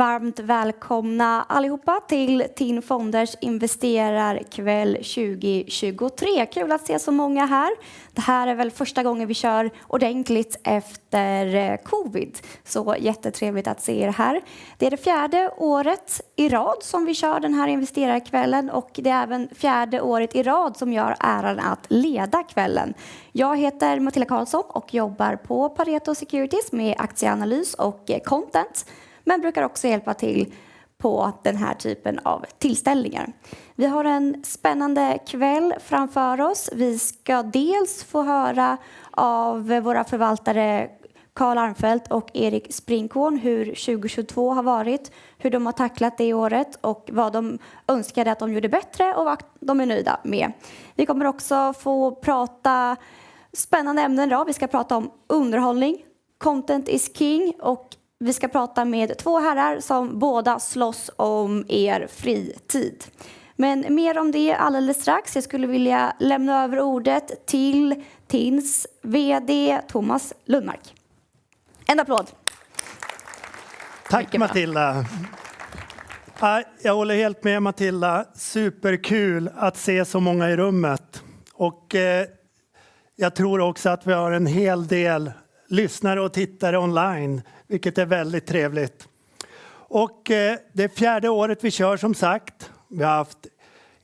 Varmt välkomna allihopa till TIN Fonders investerarkväll 2023. Kul att se så många här. Det här är väl första gången vi kör ordentligt efter covid. Jättetrevligt att se er här. Det är det fjärde året i rad som vi kör den här investerarkvällen och det är även fjärde året i rad som jag har äran att leda kvällen. Jag heter Matilda Karlsson och jobbar på Pareto Securities med aktieanalys och content, men brukar också hjälpa till på den här typen av tillställningar. Vi har en spännande kväll framför oss. Vi ska dels få höra av våra förvaltare Carl Armfelt och Erik Sprinchorn hur 2022 har varit, hur de har tacklat det året och vad de önskade att de gjorde bättre och vad de är nöjda med. Vi kommer också få prata spännande ämnen då. Vi ska prata om underhållning, content is king och vi ska prata med två herrar som båda slåss om er fritid. Mer om det alldeles strax. Jag skulle vilja lämna över ordet till TIN's CEO Tomas Lundmark. En applåd! Tack Matilda. Jag håller helt med Matilda. Superkul att se så många i rummet. Jag tror också att vi har en hel del lyssnare och tittare online, vilket är väldigt trevligt. Det är fourth året vi kör som sagt. Vi har haft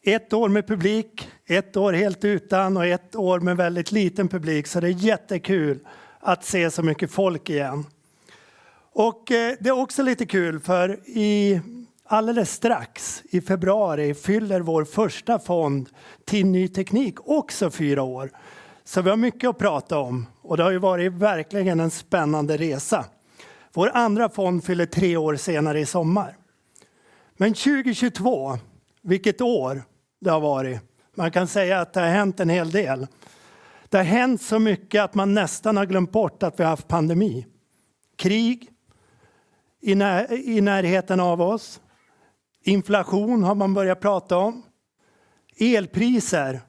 one år med publik, one år helt utan och one år med väldigt liten publik. Det är jättekul att se så mycket folk igen. Det är också lite kul för i alldeles strax i februari fyller vår första fond TIN Ny Teknik också four år. Vi har mycket att prata om och det har ju varit verkligen en spännande resa. Vår andra fond fyller three år senare i sommar. 2022, vilket år det har varit. Man kan säga att det har hänt en hel del. Det har hänt så mycket att man nästan har glömt bort att vi haft pandemi, krig i närheten av oss, inflation har man börjat prata om, elpriser,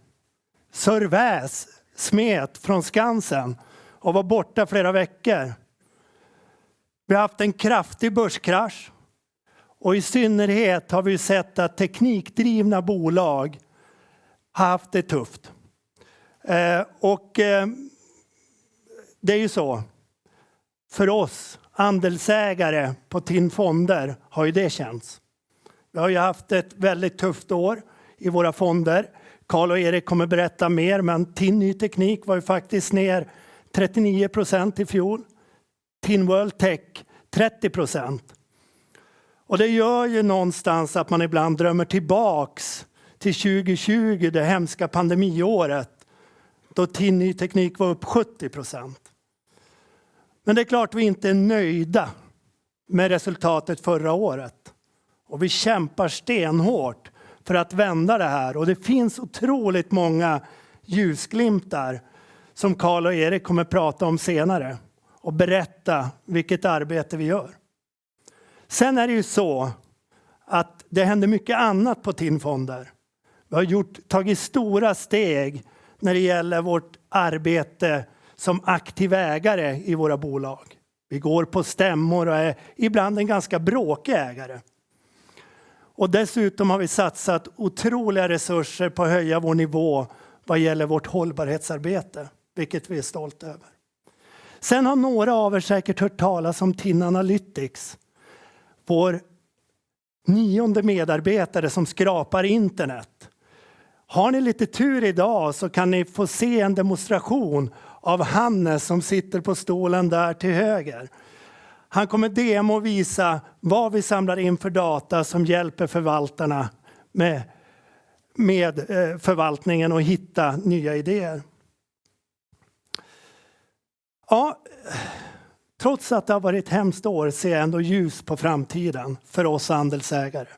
Sir Väs smet från Skansen och var borta flera veckor. Vi har haft en kraftig börskrasch och i synnerhet har vi sett att teknikdrivna bolag har haft det tufft. Det är ju så. För oss, andelsägare på TIN Fonder, har ju det känts. Vi har ju haft ett väldigt tufft år i våra fonder. Carl och Erik kommer berätta mer, men TIN Ny Teknik var ju faktiskt ner 39% i fjol. TIN World Tech 30%. Det gör ju någonstans att man ibland drömmer tillbaks till 2020, det hemska pandemiåret, då TIN Ny Teknik var upp 70%. Det är klart vi inte är nöjda med resultatet förra året och vi kämpar stenhårt för att vända det här. Det finns otroligt många ljusglimtar som Carl och Erik kommer prata om senare och berätta vilket arbete vi gör. Det är ju så att det händer mycket annat på TIN Fonder. Vi har tagit stora steg när det gäller vårt arbete som aktiv ägare i våra bolag. Vi går på stämmor och är ibland en ganska bråkig ägare. Dessutom har vi satsat otroliga resurser på att höja vår nivå vad gäller vårt hållbarhetsarbete, vilket vi är stolta över. Några av er har säkert hört talas om TIN Analytics, vår nionde medarbetare som skrapar internet. Har ni lite tur i dag så kan ni få se en demonstration av Hannes som sitter på stolen där till höger. Han kommer demo och visa vad vi samlar in för data som hjälper förvaltarna med förvaltningen att hitta nya idéer. Trots att det har varit hemskt år ser jag ändå ljus på framtiden för oss andelsägare.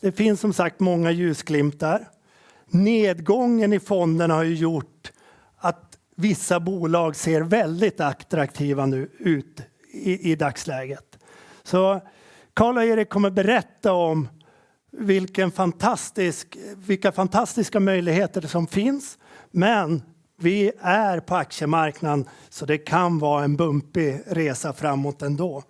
Det finns som sagt många ljusglimtar. Nedgången i fonderna har ju gjort att vissa bolag ser väldigt attraktiva nu ut i dagsläget. Carl och Erik kommer berätta om vilka fantastiska möjligheter som finns. Vi är på aktiemarknaden så det kan vara en bumpig resa framåt ändå.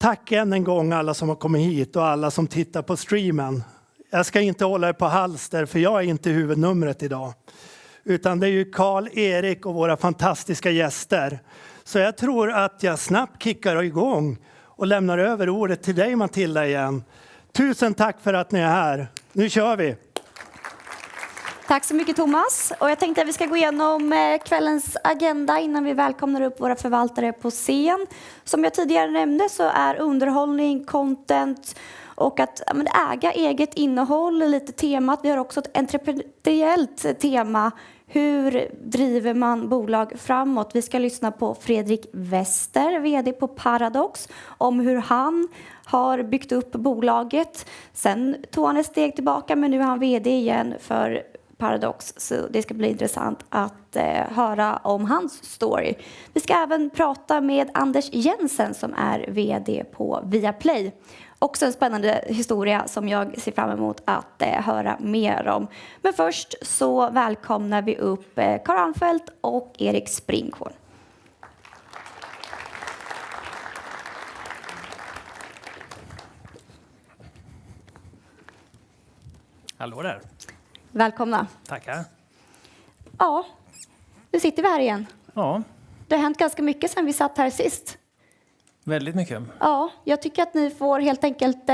Tack än en gång alla som har kommit hit och alla som tittar på streamen. Jag ska inte hålla er på halster för jag är inte huvudnumret i dag, utan det är ju Carl, Erik och våra fantastiska gäster. Jag tror att jag snabbt kickar igång och lämnar över ordet till dig Matilda igen. Tusen tack för att ni är här. Nu kör vi! Tack så mycket Tomas. Jag tänkte att vi ska gå igenom kvällens agenda innan vi välkomnar upp våra förvaltare på scen. Som jag tidigare nämnde så är underhållning, content och att ja, men äga eget innehåll lite temat. Vi har också ett entreprenöriellt tema. Hur driver man bolag framåt? Vi ska lyssna på Fredrik Wester, VD på Paradox, om hur han har byggt upp bolaget. Han tog ett steg tillbaka, men nu är han VD igen för Paradox. Det ska bli intressant att höra om hans story. Vi ska även prata med Anders Jensen som är VD på Viaplay. En spännande historia som jag ser fram emot att höra mer om. Först så välkomnar vi upp Carl Armfelt och Erik Sprinchorn. Hallå där. Välkomna. Tackar. Nu sitter vi här igen. Ja. Det har hänt ganska mycket sedan vi satt här sist. Väldigt mycket. Jag tycker att ni får helt enkelt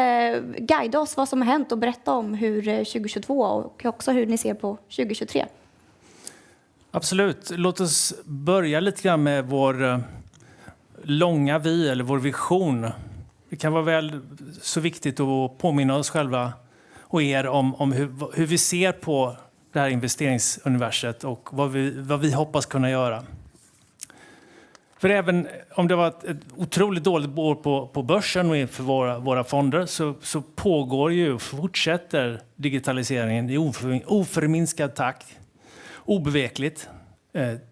guida oss vad som har hänt och berätta om hur 2022 och också hur ni ser på 2023. Absolut. Låt oss börja lite grann med vår långa vy eller vår vision. Det kan vara väl så viktigt att påminna oss själva och er om hur vi ser på det här investeringsuniversumet och vad vi hoppas kunna göra. Även om det var ett otroligt dåligt år på börsen och inför våra fonder, så pågår ju och fortsätter digitaliseringen i oförminskad takt, obevekligt.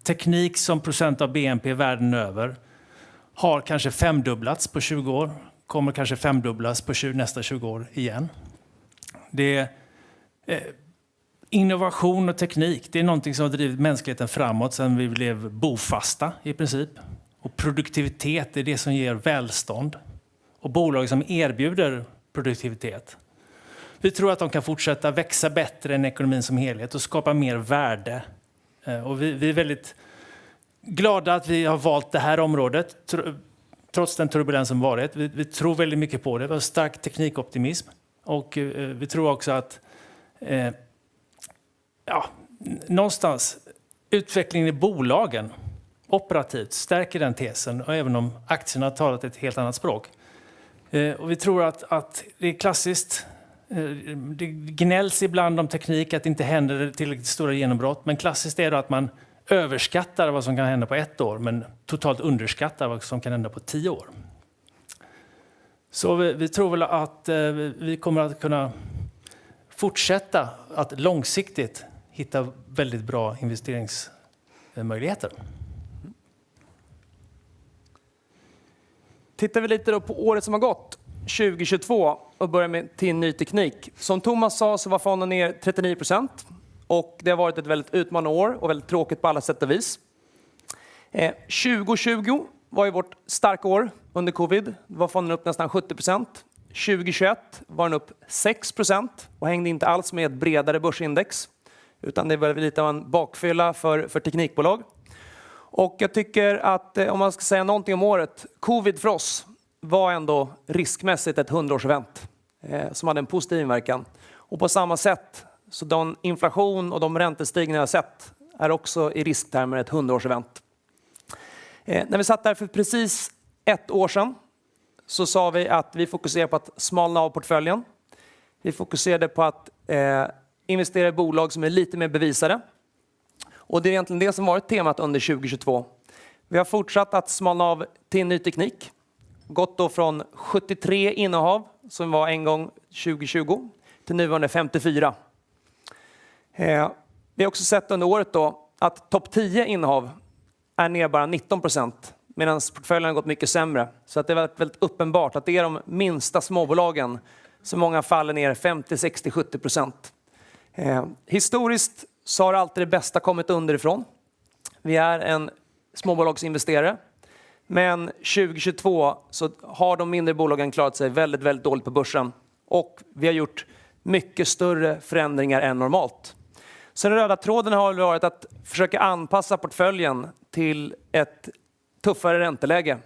Teknik som procent av BNP världen över har kanske femdubblats på 20 år, kommer kanske femdubblas på 20, nästa 20 år igen. Det är innovation och teknik, det är någonting som har drivit mänskligheten framåt sedan vi blev bofasta i princip. Produktivitet är det som ger välstånd och bolag som erbjuder produktivitet. Vi tror att de kan fortsätta växa bättre än ekonomin som helhet och skapa mer värde. Vi är väldigt glada att vi har valt det här området, trots den turbulens som varit. Vi tror väldigt mycket på det. Vi har en stark teknikoptimism och vi tror också att, ja, någonstans utvecklingen i bolagen operativt stärker den tesen och även om aktierna talat ett helt annat språk. Vi tror att det är klassiskt. Det gnälls ibland om teknik att det inte händer tillräckligt stora genombrott. Klassiskt är då att man överskattar vad som kan hända på ett år, men totalt underskattar vad som kan hända på tio år. Vi tror väl att vi kommer att kunna fortsätta att långsiktigt hitta väldigt bra investeringsmöjligheter. Tittar vi lite då på året som har gått, 2022 börjar med TIN Ny Teknik. Som Tomas sa så var fonden ner 39% det har varit ett väldigt utmanande år och väldigt tråkigt på alla sätt och vis. 2020 var ju vårt starka år under COVID. Då var fonden upp nästan 70%. 2021 var den upp 6% hängde inte alls med ett bredare börsindex, utan det var lite av en bakfylla för teknikbolag. Jag tycker att om man ska säga någonting om året, COVID för oss var ändå riskmässigt ett hundårsevent som hade en positiv verkan. På samma sätt, de inflation och de räntestigningar vi har sett är också i risktermer ett hundårsevent. När vi satt där för precis ett år sen så sa vi att vi fokuserar på att smalna av portföljen. Vi fokuserade på att investera i bolag som är lite mer bevisade. Det är egentligen det som har varit temat under 2022. Vi har fortsatt att smalna av TIN Ny Teknik. Gått då från 73 innehav som var en gång 2020 till nuvarande 54. Vi har också sett under året då att topp 10 innehav är nere bara 19% medans portföljen har gått mycket sämre. Det är väldigt uppenbart att det är de minsta småbolagen som i många fall är ner 50%, 60%, 70%. Historiskt so har alltid det bästa kommit underifrån. Vi är en småbolagsinvesterare, 2022 so har de mindre bolagen klarat sig väldigt dåligt på börsen och vi har gjort mycket större förändringar än normalt. Den röda tråden har väl varit att försöka anpassa portföljen till ett tuffare ränteläge.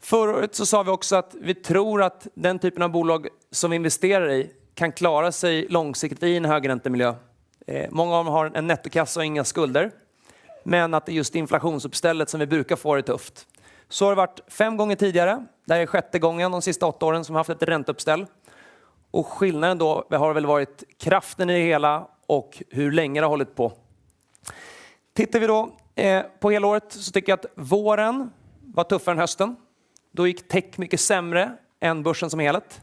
Förra året sa vi också att vi tror att den typen av bolag som vi investerar i kan klara sig långsiktigt i en högräntemiljö. Många av dem har en nettokassa och inga skulder, men att just inflationsuppstället som vi brukar få är tufft. Det har varit 5 gånger tidigare. Det här är 6:e gången de sista 8 åren som vi haft ett ränteuppställ. Skillnaden då har väl varit kraften i det hela och hur länge det har hållit på. Tittar vi då på helåret så tycker jag att våren var tuffare än hösten. Då gick tech mycket sämre än börsen som helhet.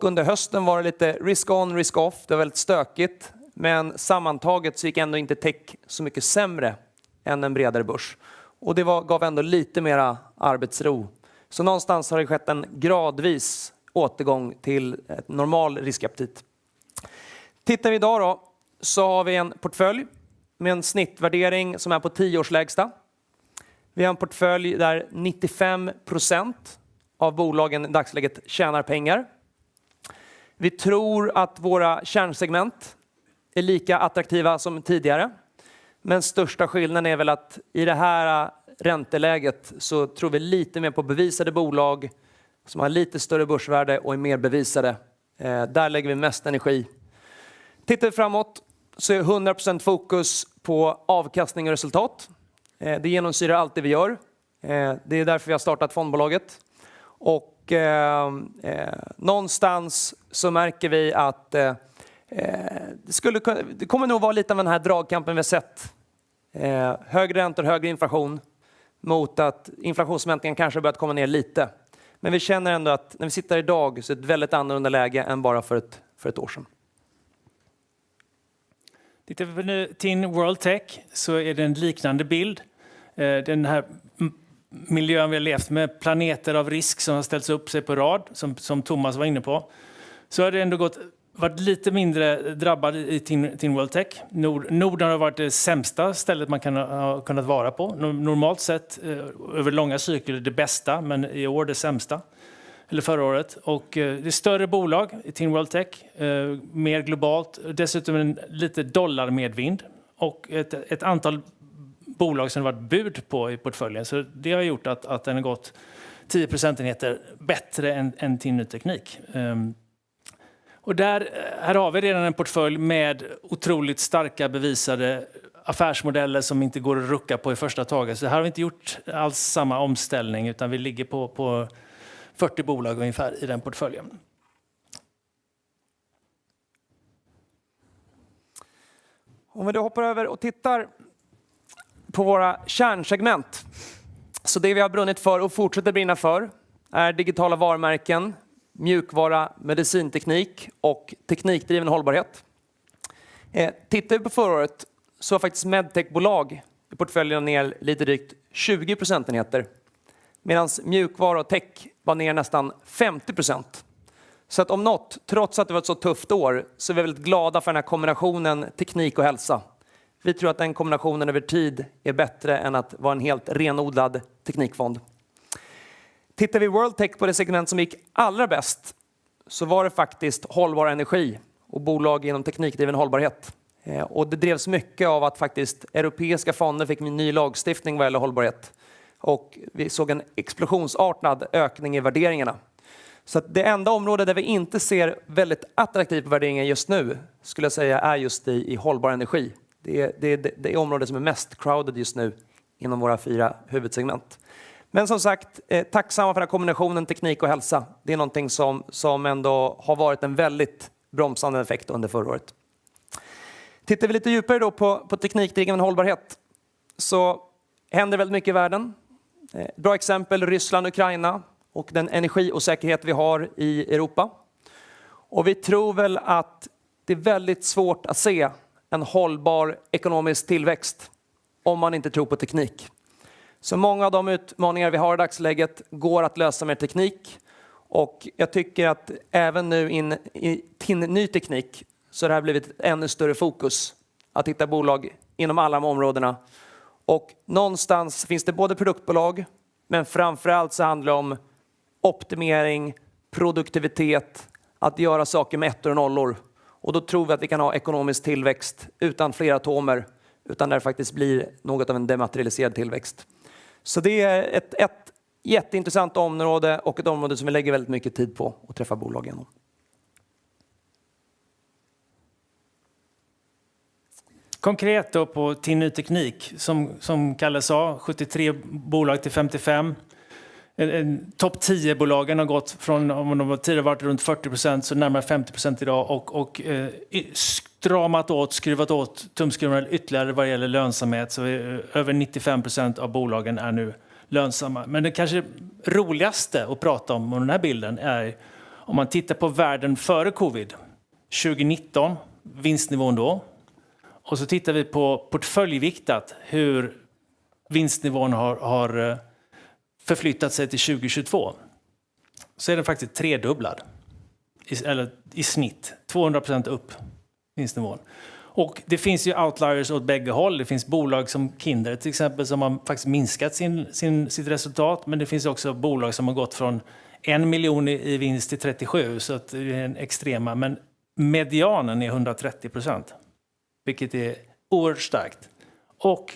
Under hösten var det lite risk on, risk off. Det var väldigt stökigt, men sammantaget så gick ändå inte tech så mycket sämre än en bredare börs. Det var, gav ändå lite mera arbetsro. Någonstans har det skett en gradvis återgång till ett normal riskaptit. Tittar vi i dag har vi en portfölj med en snittvärdering som är på 10 års lägsta. Vi har en portfölj där 95% av bolagen i dagsläget tjänar pengar. Vi tror att våra kärnsegment är lika attraktiva som tidigare. Största skillnaden är väl att i det här ränteläget tror vi lite mer på bevisade bolag som har lite större börsvärde och är mer bevisade. Där lägger vi mest energi. Tittar vi framåt är 100% fokus på avkastning och resultat. Det genomsyrar allt det vi gör. Det är därför vi har startat fondbolaget. Någonstans märker vi att det kommer nog vara lite av den här dragkampen vi har sett. Högre räntor, högre inflation mot att inflationsförväntningen kanske har börjat komma ner lite. Vi känner ändå att när vi sitter i dag så är det ett väldigt annorlunda läge än bara för 1 år sedan. Tittar vi på nu TIN World Tech så är det en liknande bild. Den här miljön vi har levt med planeter av risk som har ställts upp sig på rad, som Tomas var inne på. Det har ändå gått, varit lite mindre drabbad i TIN World Tech. Norden har varit det sämsta stället man kunnat vara på. Normalt sett över långa cykler, det bästa, men i år det sämsta. Eller förra året. Det är större bolag i TIN World Tech, mer globalt. Dessutom en lite dollarmedvind och ett antal bolag som det har varit bud på i portföljen. Det har gjort att den har gått 10 procentenheter bättre än TIN Ny Teknik. Här har vi redan en portfölj med otroligt starka bevisade affärsmodeller som inte går att rucka på i första taget. Här har vi inte gjort alls samma omställning, utan vi ligger på 40 bolag ungefär i den portföljen. Vi då hoppar över och tittar på våra kärnsegment. Det vi har brunnit för och fortsätter brinna för är digitala varumärken, mjukvara, medicinteknik och teknikdriven hållbarhet. Tittar vi på förra året så var faktiskt medtech-bolag i portföljen ner lite drygt 20 percentage points medans mjukvara och tech var ner nästan 50%. Att om något, trots att det var ett så tufft år, så är vi väldigt glada för den här kombinationen teknik och hälsa. Vi tror att den kombinationen över tid är bättre än att vara en helt renodlad teknikfond. Tittar vi World Tech på det segment som gick allra bäst, så var det faktiskt hållbar energi och bolag inom teknikdriven hållbarhet. Det drevs mycket av att faktiskt europeiska fonder fick en ny lagstiftning vad gäller hållbarhet och vi såg en explosionsartad ökning i värderingarna. Att det enda område där vi inte ser väldigt attraktiv värdering just nu skulle jag säga är just i hållbar energi. Det är området som är mest crowded just nu inom våra fyra huvudsegment. Som sagt, tacksamma för den här kombinationen teknik och hälsa. Det är någonting som ändå har varit en väldigt bromsande effekt under förra året. Tittar vi lite djupare då på teknikdriven hållbarhet så händer väldigt mycket i världen. Ett bra exempel, Ryssland, Ukraina och den energiosäkerhet vi har i Europa. Vi tror väl att det är väldigt svårt att se en hållbar ekonomisk tillväxt om man inte tror på teknik. Många av de utmaningar vi har i dagsläget går att lösa med teknik och jag tycker att även nu in i TIN Ny Teknik så det här blivit ännu större fokus att hitta bolag inom alla områdena. Någonstans finns det både produktbolag, men framför allt så handlar det om optimering, produktivitet, att göra saker med ettor och nollor. Då tror vi att vi kan ha ekonomisk tillväxt utan fler atomer, utan det här faktiskt blir något av en dematerialiserad tillväxt. Det är ett jätteintressant område och ett område som vi lägger väldigt mycket tid på att träffa bolag inom. Konkret då på TIN Ny Teknik, som Carl sa, 73 bolag till 55. Topp tio-bolagen har gått från, om de tidigare varit runt 40%, så närmare 50% i dag och stramat åt, skruvat åt tumskruvarna ytterligare vad gäller lönsamhet. Vi är över 95% av bolagen är nu lönsamma. Det kanske roligaste att prata om med den här bilden är om man tittar på världen före covid, 2019, vinstnivån då. Tittar vi på portföljviktat hur vinstnivån har förflyttat sig till 2022, den är faktiskt tredubblad. eller i snitt. 200% upp, vinstnivån. Det finns ju outliers åt bägge håll. Det finns bolag som Kindred till exempel, som har faktiskt minskat sin sitt resultat. Det finns också bolag som har gått från SEK 1 million i vinst till SEK 37 million. Det är den extrema. Medianen är 130%, vilket är oerhört starkt.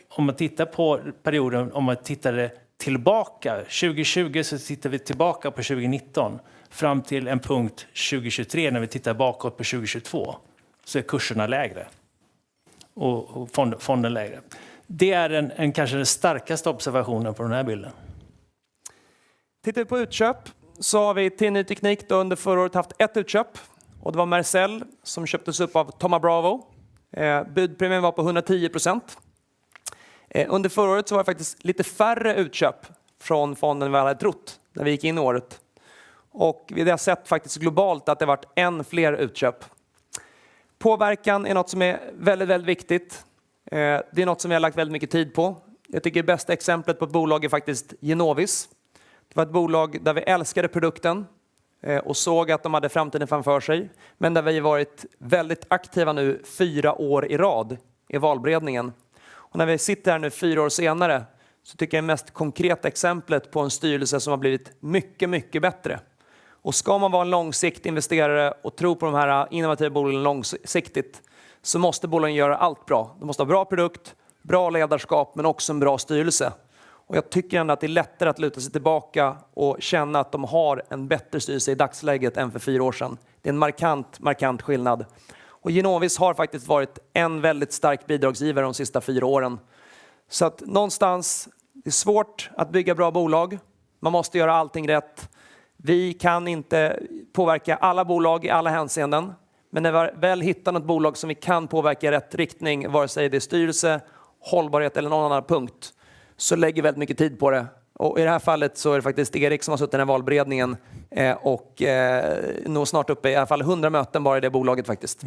Om man tittar på perioden, om man tittade tillbaka 2020, tittar vi tillbaka på 2019 fram till en punkt 2023. När vi tittar bakåt på 2022 är kurserna lägre och fonden lägre. Det är den, en kanske den starkaste observationen på den här bilden. Tittar vi på utköp har vi TIN Ny Teknik under förra året haft ett utköp och det var Mercell som köptes upp av Thoma Bravo. Budpremien var på 110%. Under förra året var det faktiskt lite färre utköp från fonden än vad vi hade trott när vi gick in i året. Vi har sett faktiskt globalt att det har varit än fler utköp. Påverkan är något som är väldigt viktigt. Det är något som vi har lagt väldigt mycket tid på. Jag tycker bästa exemplet på ett bolag är faktiskt Genovis. Det var ett bolag där vi älskade produkten och såg att de hade framtiden framför sig, men där vi har varit väldigt aktiva nu fyra år i rad i valberedningen. När vi sitter här nu fyra år senare. Jag tycker det mest konkreta exemplet på en styrelse som har blivit mycket bättre. Ska man vara en långsiktig investerare och tro på de här innovativa bolagen långsiktigt, måste bolagen göra allt bra. De måste ha bra produkt, bra ledarskap, men också en bra styrelse. Jag tycker ändå att det är lättare att luta sig tillbaka och känna att de har en bättre styrelse i dagsläget än för fyra år sedan. Det är en markant skillnad. Genovis har faktiskt varit en väldigt stark bidragsgivare de sista fyra åren. Någonstans, det är svårt att bygga bra bolag. Man måste göra allting rätt. Vi kan inte påverka alla bolag i alla hänseenden. När vi väl hittar något bolag som vi kan påverka i rätt riktning, vare sig det är styrelse, hållbarhet eller någon annan punkt, så lägger vi väldigt mycket tid på det. I det här fallet så är det faktiskt Erik som har suttit i den här valberedningen och nog snart uppe i alla fall 100 möten bara i det bolaget faktiskt,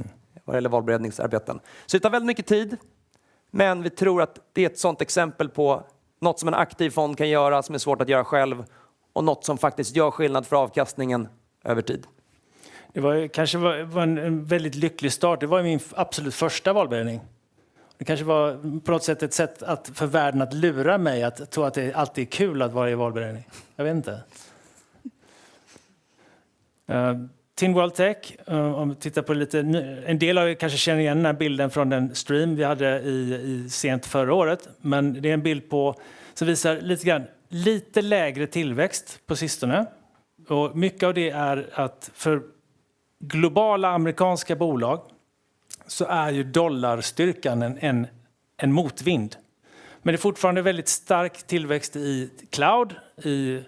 vad det gäller valberedningsarbeten. Det tar väldigt mycket tid, men vi tror att det är ett sådant exempel på något som en aktiv fond kan göra som är svårt att göra själv och något som faktiskt gör skillnad för avkastningen över tid. Det kanske var en väldigt lycklig start. Det var min absolut första valberedning. Det kanske var på något sätt ett sätt att för världen att lura mig att tro att det alltid är kul att vara i valberedning. Jag vet inte. TIN World Tech. Om vi tittar på lite, en del av er kanske känner igen den här bilden från den stream vi hade i sent förra året. Det är en bild på, som visar lite grann, lite lägre tillväxt på sistone. Mycket av det är att för globala amerikanska bolag så är ju dollarstyrkan en motvind. Det är fortfarande väldigt stark tillväxt i cloud, i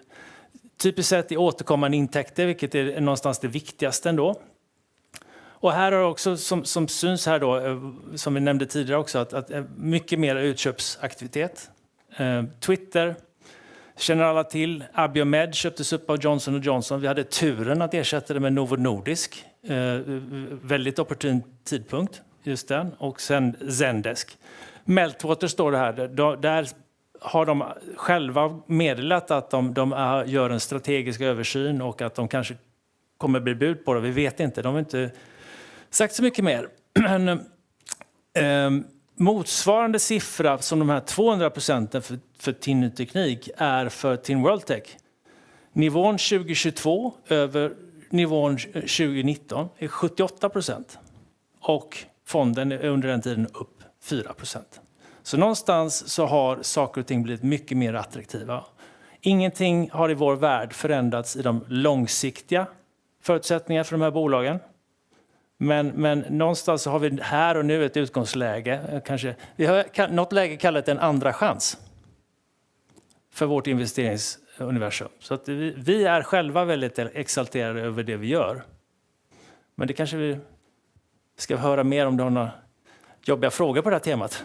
typiskt sett i återkommande intäkter, vilket är någonstans det viktigaste ändå. Här har också, som syns här då, som vi nämnde tidigare också, att mycket mer utköpsaktivitet. Twitter känner alla till. Abiomed köptes upp av Johnson & Johnson. Vi hade turen att ersätta det med Novo Nordisk. Väldigt opportun tidpunkt just den. Sedan Zendesk. Meltwater står det här. Där har de själva meddelat att de gör en strategisk översyn och att de kanske kommer bli bud på det. Vi vet inte. De har inte sagt så mycket mer. Motsvarande siffra som de här 200% för TIN Ny Teknik är för TIN World Tech. Nivån 2022 över nivån 2019 är 78%. Fonden är under den tiden upp 4%. Någonstans så har saker och ting blivit mycket mer attraktiva. Ingenting har i vår värld förändrats i de långsiktiga förutsättningar för de här bolagen. Men någonstans så har vi här och nu ett utgångsläge. Vi har något läge kallat en andra chans för vårt investeringsuniversum. Vi, vi är själva väldigt exalterade över det vi gör. Det kanske vi ska höra mer om du har några jobbiga frågor på det här temat.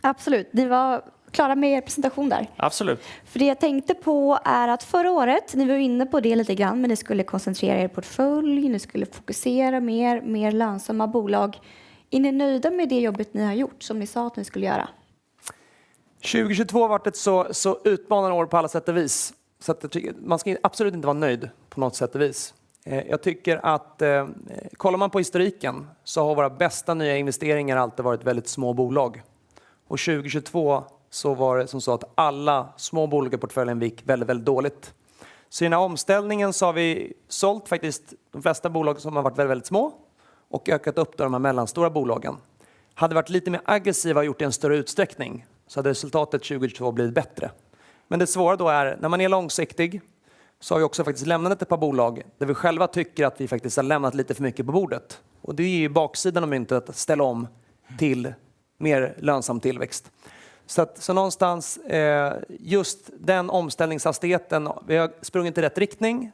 Absolut. Ni var klara med er presentation där? Absolut. Det jag tänkte på är att förra året, ni var inne på det lite grann, men ni skulle koncentrera er portfölj, ni skulle fokusera mer lönsamma bolag. Är ni nöjda med det jobbet ni har gjort som ni sa att ni skulle göra? 2022 har varit ett så utmanande år på alla sätt och vis. Att man ska absolut inte vara nöjd på något sätt och vis. Jag tycker att kollar man på historiken så har våra bästa nya investeringar alltid varit väldigt små bolag. 2022 så var det som så att alla små bolag i portföljen gick väldigt dåligt. I den här omställningen så har vi sålt faktiskt de flesta bolag som har varit väldigt små och ökat upp de här mellanstora bolagen. Hade vi varit lite mer aggressiva och gjort det i en större utsträckning så hade resultatet 2022 blivit bättre. Det svåra då är när man är långsiktig så har vi också faktiskt lämnat ett par bolag där vi själva tycker att vi faktiskt har lämnat lite för mycket på bordet. Det är ju baksidan av myntet att ställa om till mer lönsam tillväxt. Någonstans just den omställningshastigheten, vi har sprungit i rätt riktning,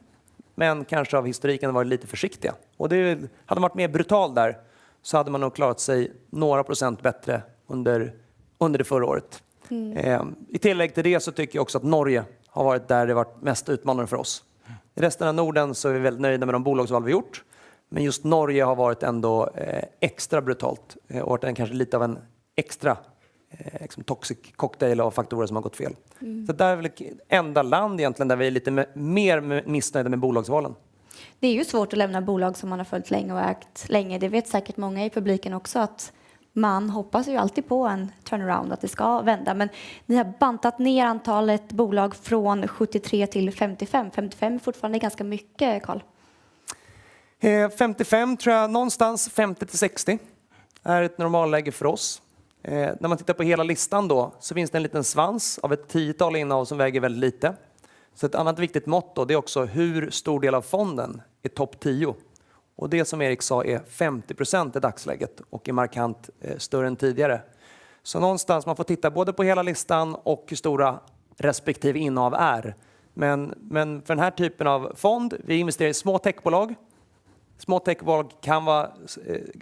men kanske av historiken varit lite försiktiga. Det, hade man varit mer brutal där så hade man nog klarat sig några % bättre under det förra året. I tillägg till det tycker jag också att Norge har varit där det varit mest utmanande för oss. I resten av Norden är vi väldigt nöjda med de bolagsval vi gjort, men just Norge har varit ändå extra brutalt. Varit kanske lite av en extra toxic cocktail av faktorer som har gått fel. Det där är väl enda land egentligen där vi är lite mer missnöjda med bolagsvalen. Det är ju svårt att lämna bolag som man har följt länge och ägt länge. Det vet säkert många i publiken också att man hoppas ju alltid på en turnaround, att det ska vända. Ni har bantat ner antalet bolag från 73 till 55. 55 är fortfarande ganska mycket, Carl. 55 tror jag någonstans 50-60 är ett normalläge för oss. När man tittar på hela listan då så finns det en liten svans av 10 innehav som väger väldigt lite. Ett annat viktigt mått då det är också hur stor del av fonden är top 10. Det som Erik sa är 50% i dagsläget och är markant större än tidigare. Någonstans man får titta både på hela listan och hur stora respektive innehav är. För den här typen av fond, vi investerar i små techbolag. Små techbolag kan vara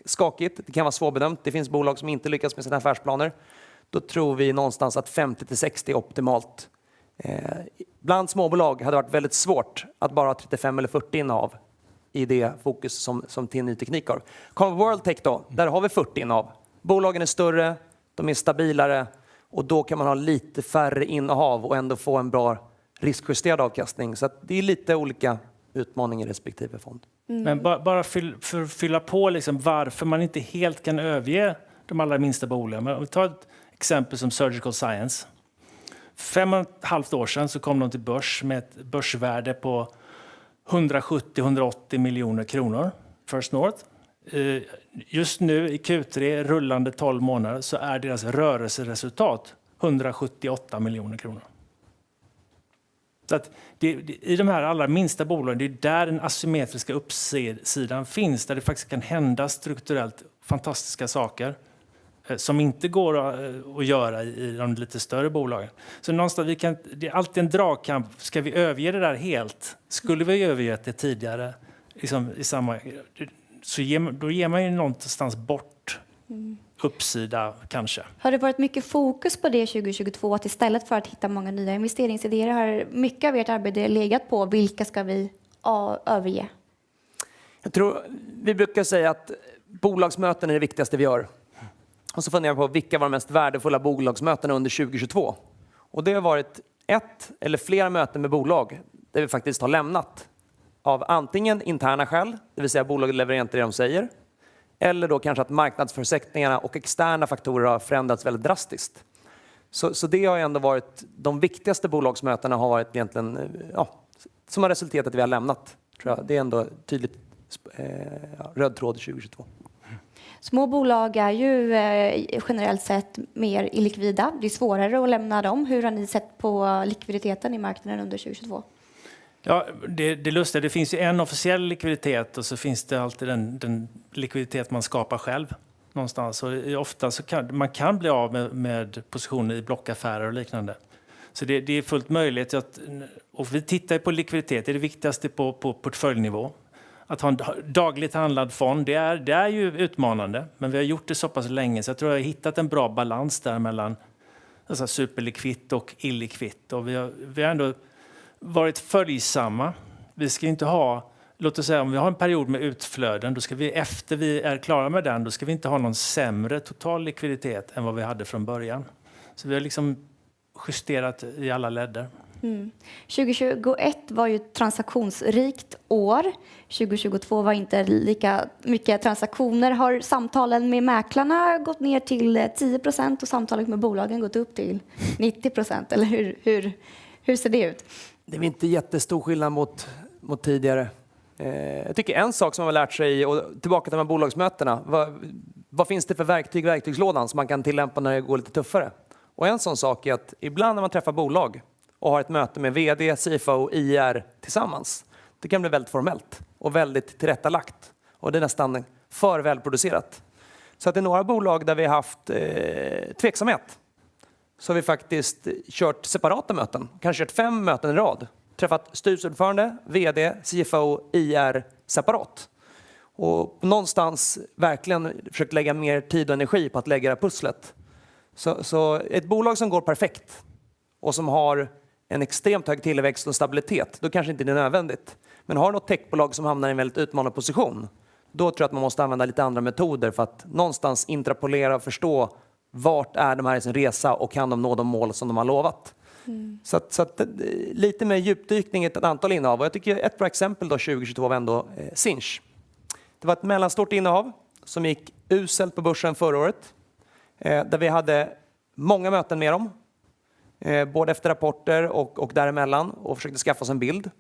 skakigt, det kan vara svårbedömt. Det finns bolag som inte lyckas med sina affärsplaner. Då tror vi någonstans att 50-60 är optimalt. Bland småbolag hade det varit väldigt svårt att bara ha 35 eller 40 innehav i det fokus som TIN Ny Teknik har. Kommer World Tech då, där har vi 40 innehav. Bolagen är större, de är stabilare och då kan man ha lite färre innehav och ändå få en bra spridning. Riskjusterad avkastning. Det är lite olika utmaning i respektive fond. Bara för att fylla på liksom varför man inte helt kan överge de allra minsta bolagen. Om vi tar ett exempel som Surgical Science. 5.5 år sedan så kom de till börs med ett börsvärde på SEK 170 million-SEK 180 million First North. Just nu i Q3 rullande 12 months så är deras rörelseresultat SEK 178 million. I de här allra minsta bolagen, det är ju där den asymmetriska uppsidan finns, där det faktiskt kan hända strukturellt fantastiska saker som inte går att göra i de lite större bolagen. Någonstans, det är alltid en dragkamp. Ska vi överge det där helt? Skulle vi överge det tidigare, liksom i samma, då ger man ju någonstans bort uppsida kanske. Har det varit mycket fokus på det 2022 att istället för att hitta många nya investeringsidéer har mycket av ert arbete legat på vilka ska vi överge? Jag tror vi brukar säga att bolagsmöten är det viktigaste vi gör. funderar jag på vilka var de mest värdefulla bolagsmötena under 2022. Det har varit 1 eller flera möten med bolag där vi faktiskt har lämnat av antingen interna skäl, det vill säga bolaget lever inte det de säger, eller då kanske att marknadsförutsättningarna och externa faktorer har förändrats väldigt drastiskt. det har ändå varit de viktigaste bolagsmötena har varit egentligen som har resulterat i att vi har lämnat tror jag. Det är ändå tydligt röd tråd 2022. Små bolag är ju generellt sett mer illikvida. Det blir svårare att lämna dem. Hur har ni sett på likviditeten i marknaden under 2022? Det är lustigt. Det finns ju en officiell likviditet och så finns det alltid den likviditet man skapar själv någonstans. Oftast så kan man bli av med positioner i blockaffärer och liknande. Det är fullt möjligt att, och vi tittar ju på likviditet. Det är det viktigaste på portföljnivå. Att ha en dagligt handlad fond, det är ju utmanande, men vi har gjort det så pass länge. Jag tror jag har hittat en bra balans där mellan superlikvitt och illikvitt. Vi har ändå varit följsamma. Vi ska inte ha, låt oss säga om vi har en period med utflöden, då ska vi efter vi är klara med den, då ska vi inte ha någon sämre total likviditet än vad vi hade från början. Vi har liksom justerat i alla ledder. 2021 var ju ett transaktionsrikt år. 2022 var inte lika mycket transaktioner. Har samtalen med mäklarna gått ner till 10% och samtalen med bolagen gått upp till 90%? Eller hur ser det ut? Det är inte jättestor skillnad mot tidigare. Jag tycker en sak som man lärt sig tillbaka till de här bolagsmötena, vad finns det för verktyg i verktygslådan som man kan tillämpa när det går lite tuffare? En sådan sak är att ibland när man träffar bolag och har ett möte med vd, CFO, IR tillsammans, det kan bli väldigt formellt och väldigt tillrättalagt och det är nästan för välproducerat. I några bolag där vi haft tveksamhet, så har vi faktiskt kört separata möten, kanske kört 5 möten i rad, träffat styrelseordförande, vd, CFO, IR separat. Någonstans verkligen försökt lägga mer tid och energi på att lägga pusslet. Ett bolag som går perfekt och som har en extremt hög tillväxt och stabilitet, då kanske inte det är nödvändigt. Har du något techbolag som hamnar i en väldigt utmanad position, då tror jag att man måste använda lite andra metoder för att någonstans interpolera och förstå vart är de här i sin resa och kan de nå de mål som de har lovat. Lite mer djupdykning i ett antal innehav. Jag tycker ett bra exempel då 2022 var ändå Sinch. Det var ett mellanstort innehav som gick uselt på börsen förra året, där vi hade många möten med dem, både efter rapporter och däremellan och försökte skaffa oss en bild.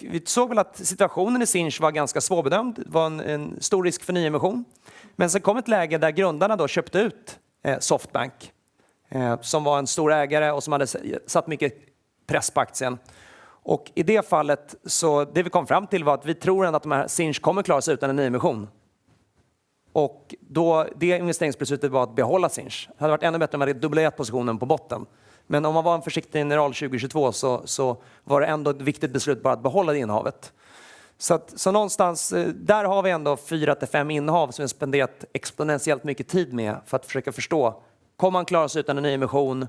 Vi såg väl att situationen i Sinch var ganska svårbedömd. Det var en stor risk för nyemission. Sen kom ett läge där grundarna då köpte ut SoftBank, som var en stor ägare och som hade satt mycket press på aktien. I det fallet så det vi kom fram till var att vi tror ändå att de här Sinch kommer att klara sig utan en nyemission. Då det investeringsbeslutet var att behålla Sinch. Det hade varit ännu bättre om vi hade dubblerat positionen på botten. Om man var en försiktig general 2022 så var det ändå ett viktigt beslut bara att behålla det innehavet. Någonstans, där har vi ändå 4-5 innehav som vi har spenderat exponentiellt mycket tid med för att försöka förstå. Kom man klara sig utan en nyemission?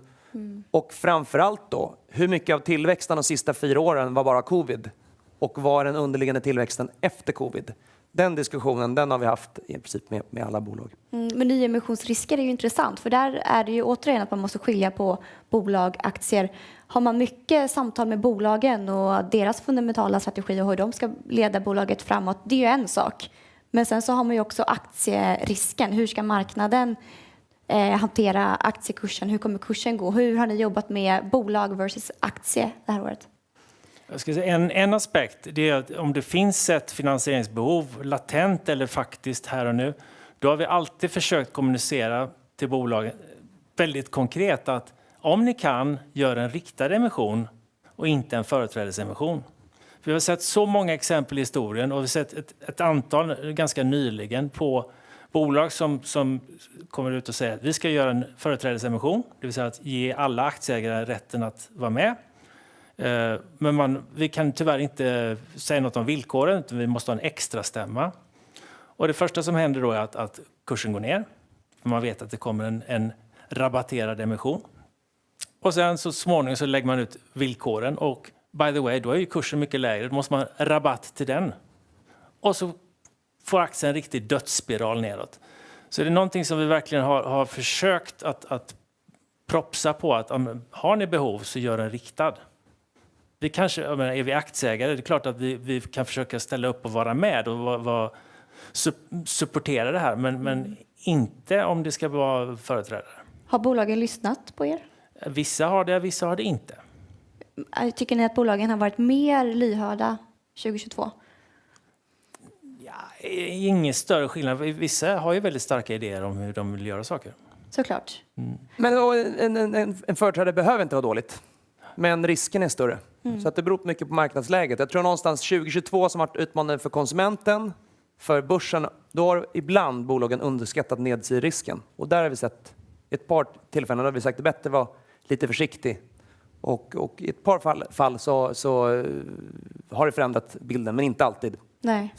Framför allt då, hur mycket av tillväxten de sista four åren var bara covid? Vad är den underliggande tillväxten efter covid? Den diskussionen, den har vi haft i princip med alla bolag. Nyemissionsrisker är ju intressant för där är det ju återigen att man måste skilja på bolag, aktier. Har man mycket samtal med bolagen och deras fundamentala strategi och hur de ska leda bolaget framåt, det är ju en sak. Sen så har man ju också aktierisken. Hur ska marknaden hantera aktiekursen? Hur kommer kursen gå? Hur har ni jobbat med bolag versus aktie det här året? Jag skulle säga en aspekt, det är att om det finns ett finansieringsbehov, latent eller faktiskt här och nu, då har vi alltid försökt kommunicera till bolagen väldigt konkret att om ni kan, gör en riktad emission och inte en företrädesemission. Vi har sett så många exempel i historien och vi har sett ett antal ganska nyligen på bolag som kommer ut och säger: Vi ska göra en företrädesemission, det vill säga att ge alla aktieägare rätten att vara med. Vi kan tyvärr inte säga något om villkoren, utan vi måste ha en extra stämma. Det första som händer då är att kursen går ner. Man vet att det kommer en rabatterad emission. Sen så småningom så lägger man ut villkoren. By the way, då är kursen mycket lägre. Då måste man rabatt till den. Så får aktien en riktig dödsspiral nedåt. Är det någonting som vi verkligen har försökt att propsa på att har ni behov så gör en riktad. Vi kanske, jag menar är vi aktieägare, det är klart att vi kan försöka ställa upp och vara med och va supportera det här, men inte om det ska vara företrädare. Har bolagen lyssnat på er? Vissa har det, vissa har det inte. Tycker ni att bolagen har varit mer lyhörda 2022? Ja, ingen större skillnad. Vissa har ju väldigt starka idéer om hur de vill göra saker. Så klart. En företrädare behöver inte vara dåligt, men risken är större. Det beror mycket på marknadsläget. Jag tror någonstans 2022 som har varit utmanande för konsumenten, för börsen. Då har ibland bolagen underskattat nedsiderisken. Där har vi sett ett par tillfällen där vi har sagt det bättre vara lite försiktig. I ett par fall så har det förändrat bilden, men inte alltid. Nej,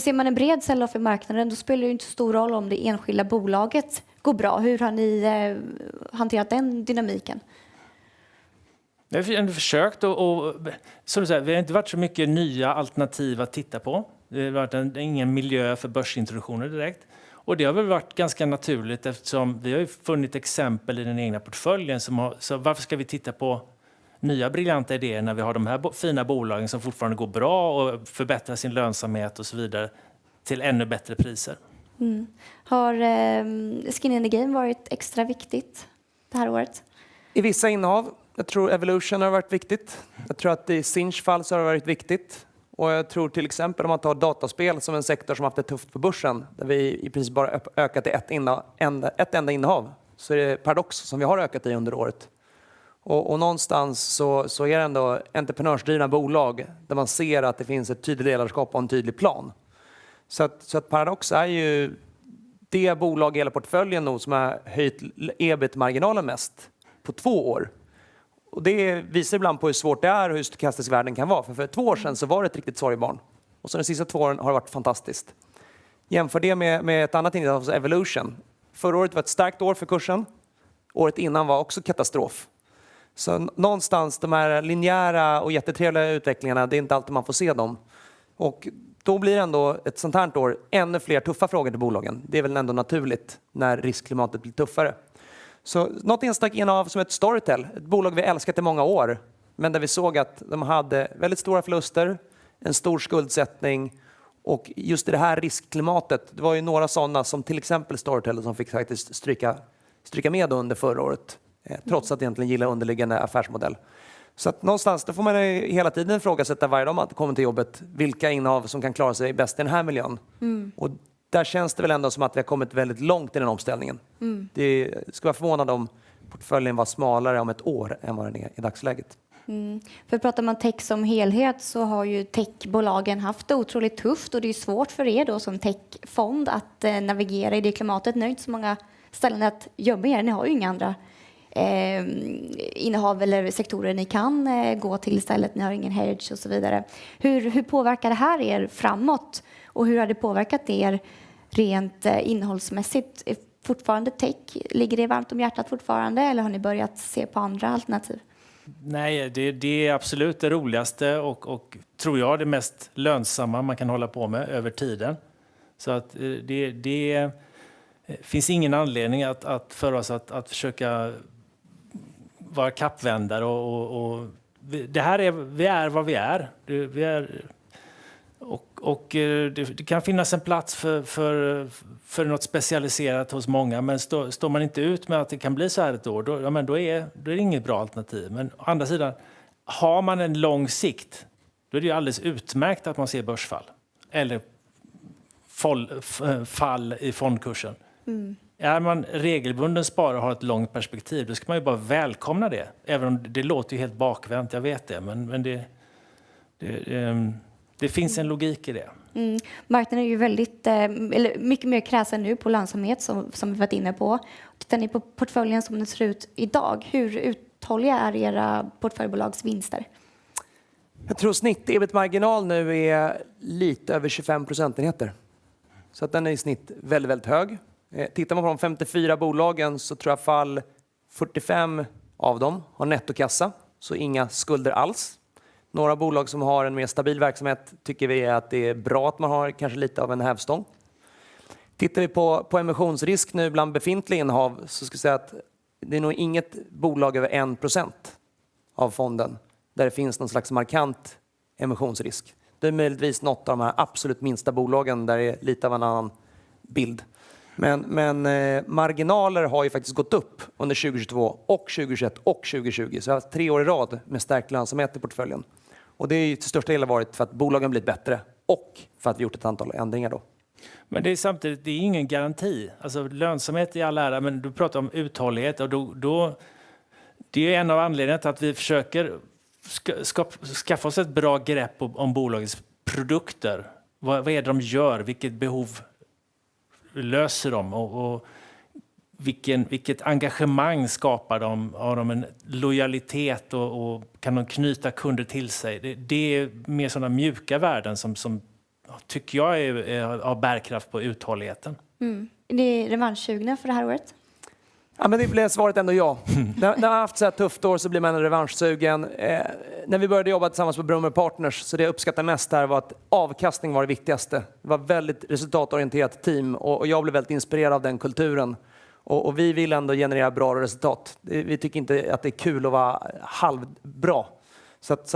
ser man en bred sell-off i marknaden, då spelar det inte så stor roll om det enskilda bolaget går bra. Hur har ni hanterat den dynamiken? Vi har ändå försökt och. Som du säger vi har inte varit så mycket nya alternativ att titta på. Det har varit ingen miljö för börsintroduktioner direkt. Det har väl varit ganska naturligt eftersom vi har funnit exempel i den egna portföljen. Varför ska vi titta på nya briljanta idéer när vi har de här fina bolagen som fortfarande går bra och förbättrar sin lönsamhet och så vidare till ännu bättre priser? Har skin in the game varit extra viktigt det här året? I vissa innehav. Jag tror Evolution har varit viktigt. Jag tror att i Sinch fall så har det varit viktigt. Jag tror till exempel om man tar dataspel som en sektor som haft det tufft på börsen, där vi i princip bara ökat i 1 innehav, 1 enda innehav, så är det Paradox som vi har ökat i under året. Någonstans så är det ändå entreprenörsdrivna bolag där man ser att det finns ett tydligt ledarskap och en tydlig plan. Paradox är ju det bolag i hela portföljen nog som har höjt EBIT-marginalen mest på 2 år. Det visar ibland på hur svårt det är och hur stökastisk världen kan vara. För 2 år sen så var det 1 riktigt sorgebarn och sen de sista 2 åren har det varit fantastiskt. Jämför det med 1 annat innehav som Evolution. Förra året var ett starkt år för kursen. Året innan var också katastrof. Någonstans de här linjära och jättetrevliga utvecklingarna, det är inte alltid man får se dem. Då blir ändå ett sådant här år ännu fler tuffa frågor till bolagen. Det är väl ändå naturligt när riskklimatet blir tuffare. Något enstaka innehav som ett Storytel, ett bolag vi älskat i många år, men där vi såg att de hade väldigt stora förluster, en stor skuldsättning. Just i det här riskklimatet, det var ju några sådana som till exempel Storytel som fick faktiskt stryka med under förra året. Trots att jag egentligen gillar underliggande affärsmodell. Någonstans, då får man hela tiden ifrågasätta varje dag man kommer till jobbet, vilka innehav som kan klara sig bäst i den här miljön. Där känns det väl ändå som att vi har kommit väldigt långt i den omställningen. Det, skulle vara förvånad om portföljen var smalare om ett år än vad den är i dagsläget. För pratar man tech som helhet så har ju techbolagen haft det otroligt tufft och det är svårt för er då som techfond att navigera i det klimatet. Ni har inte så många ställen att gömma er. Ni har ju inga andra innehav eller sektorer ni kan gå till istället. Ni har ingen heritage och så vidare. Hur påverkar det här er framåt? Hur har det påverkat er rent innehållsmässigt? Är fortfarande tech, ligger det varmt om hjärtat fortfarande? Har ni börjat se på andra alternativ? Nej, det är absolut det roligaste och tror jag det mest lönsamma man kan hålla på med över tiden. Det finns ingen anledning för oss att försöka vara kappvändare. Det här är, vi är vad vi är. Vi är och det kan finnas en plats för något specialiserat hos många. Står man inte ut med att det kan bli såhär ett år, ja men då är det inget bra alternativ. Å andra sidan, har man en lång sikt, då är det alldeles utmärkt att man ser börsfall eller fall i fondkursen. Är man regelbunden sparare och har ett långt perspektiv, då ska man ju bara välkomna det. Även om det låter ju helt bakvänt. Jag vet det, men det finns en logik i det. Marknaden är ju väldigt, eller mycket mer kräsen nu på lönsamhet som vi varit inne på. Tittar ni på portföljen som den ser ut i dag, hur uthålliga är era portföljbolags vinster? Jag tror snitt-EBIT-marginal nu är lite över 25 percentage points. den är i snitt väldigt hög. Tittar man på de 54 bolagen så tror jag fall 45 av dem har nettokassa, så inga skulder alls. Några bolag som har en mer stabil verksamhet tycker vi är att det är bra att man har kanske lite av en hävstång. Tittar vi på emissionsrisk nu bland befintliga innehav så ska jag säga att det är nog inget bolag över 1% av fonden där det finns någon slags markant emissionsrisk. Det är möjligtvis något av de här absolut minsta bolagen där det är lite av en annan bild. marginaler har ju faktiskt gått upp under 2022 och 2021 och 2020. vi har tre år i rad med stärkt lönsamhet i portföljen. Det har ju till största del varit för att bolagen har blivit bättre och för att vi har gjort ett antal ändringar då. Det är samtidigt, det är ingen garanti. Lönsamhet i all ära, men du pratar om uthållighet och då det är en av anledningarna att vi försöker skaffa oss ett bra grepp om bolagets produkter. Vad är det de gör? Vilket behov löser dem? Vilket engagemang skapar dem? Har de en lojalitet? Kan de knyta kunder till sig? Det är mer sådana mjuka värden som jag tycker jag är av bärkraft på uthålligheten. Är ni revanschsugna för det här året? Men det blev svaret ändå ja. När man har haft ett såhär tufft år så blir man revanschsugen. När vi började jobba tillsammans på Brummer & Partners så det jag uppskattar mest där var att avkastning var det viktigaste. Det var väldigt resultatorienterat team och jag blev väldigt inspirerad av den kulturen. Vi vill ändå generera bra resultat. Vi tycker inte att det är kul att vara halvbra.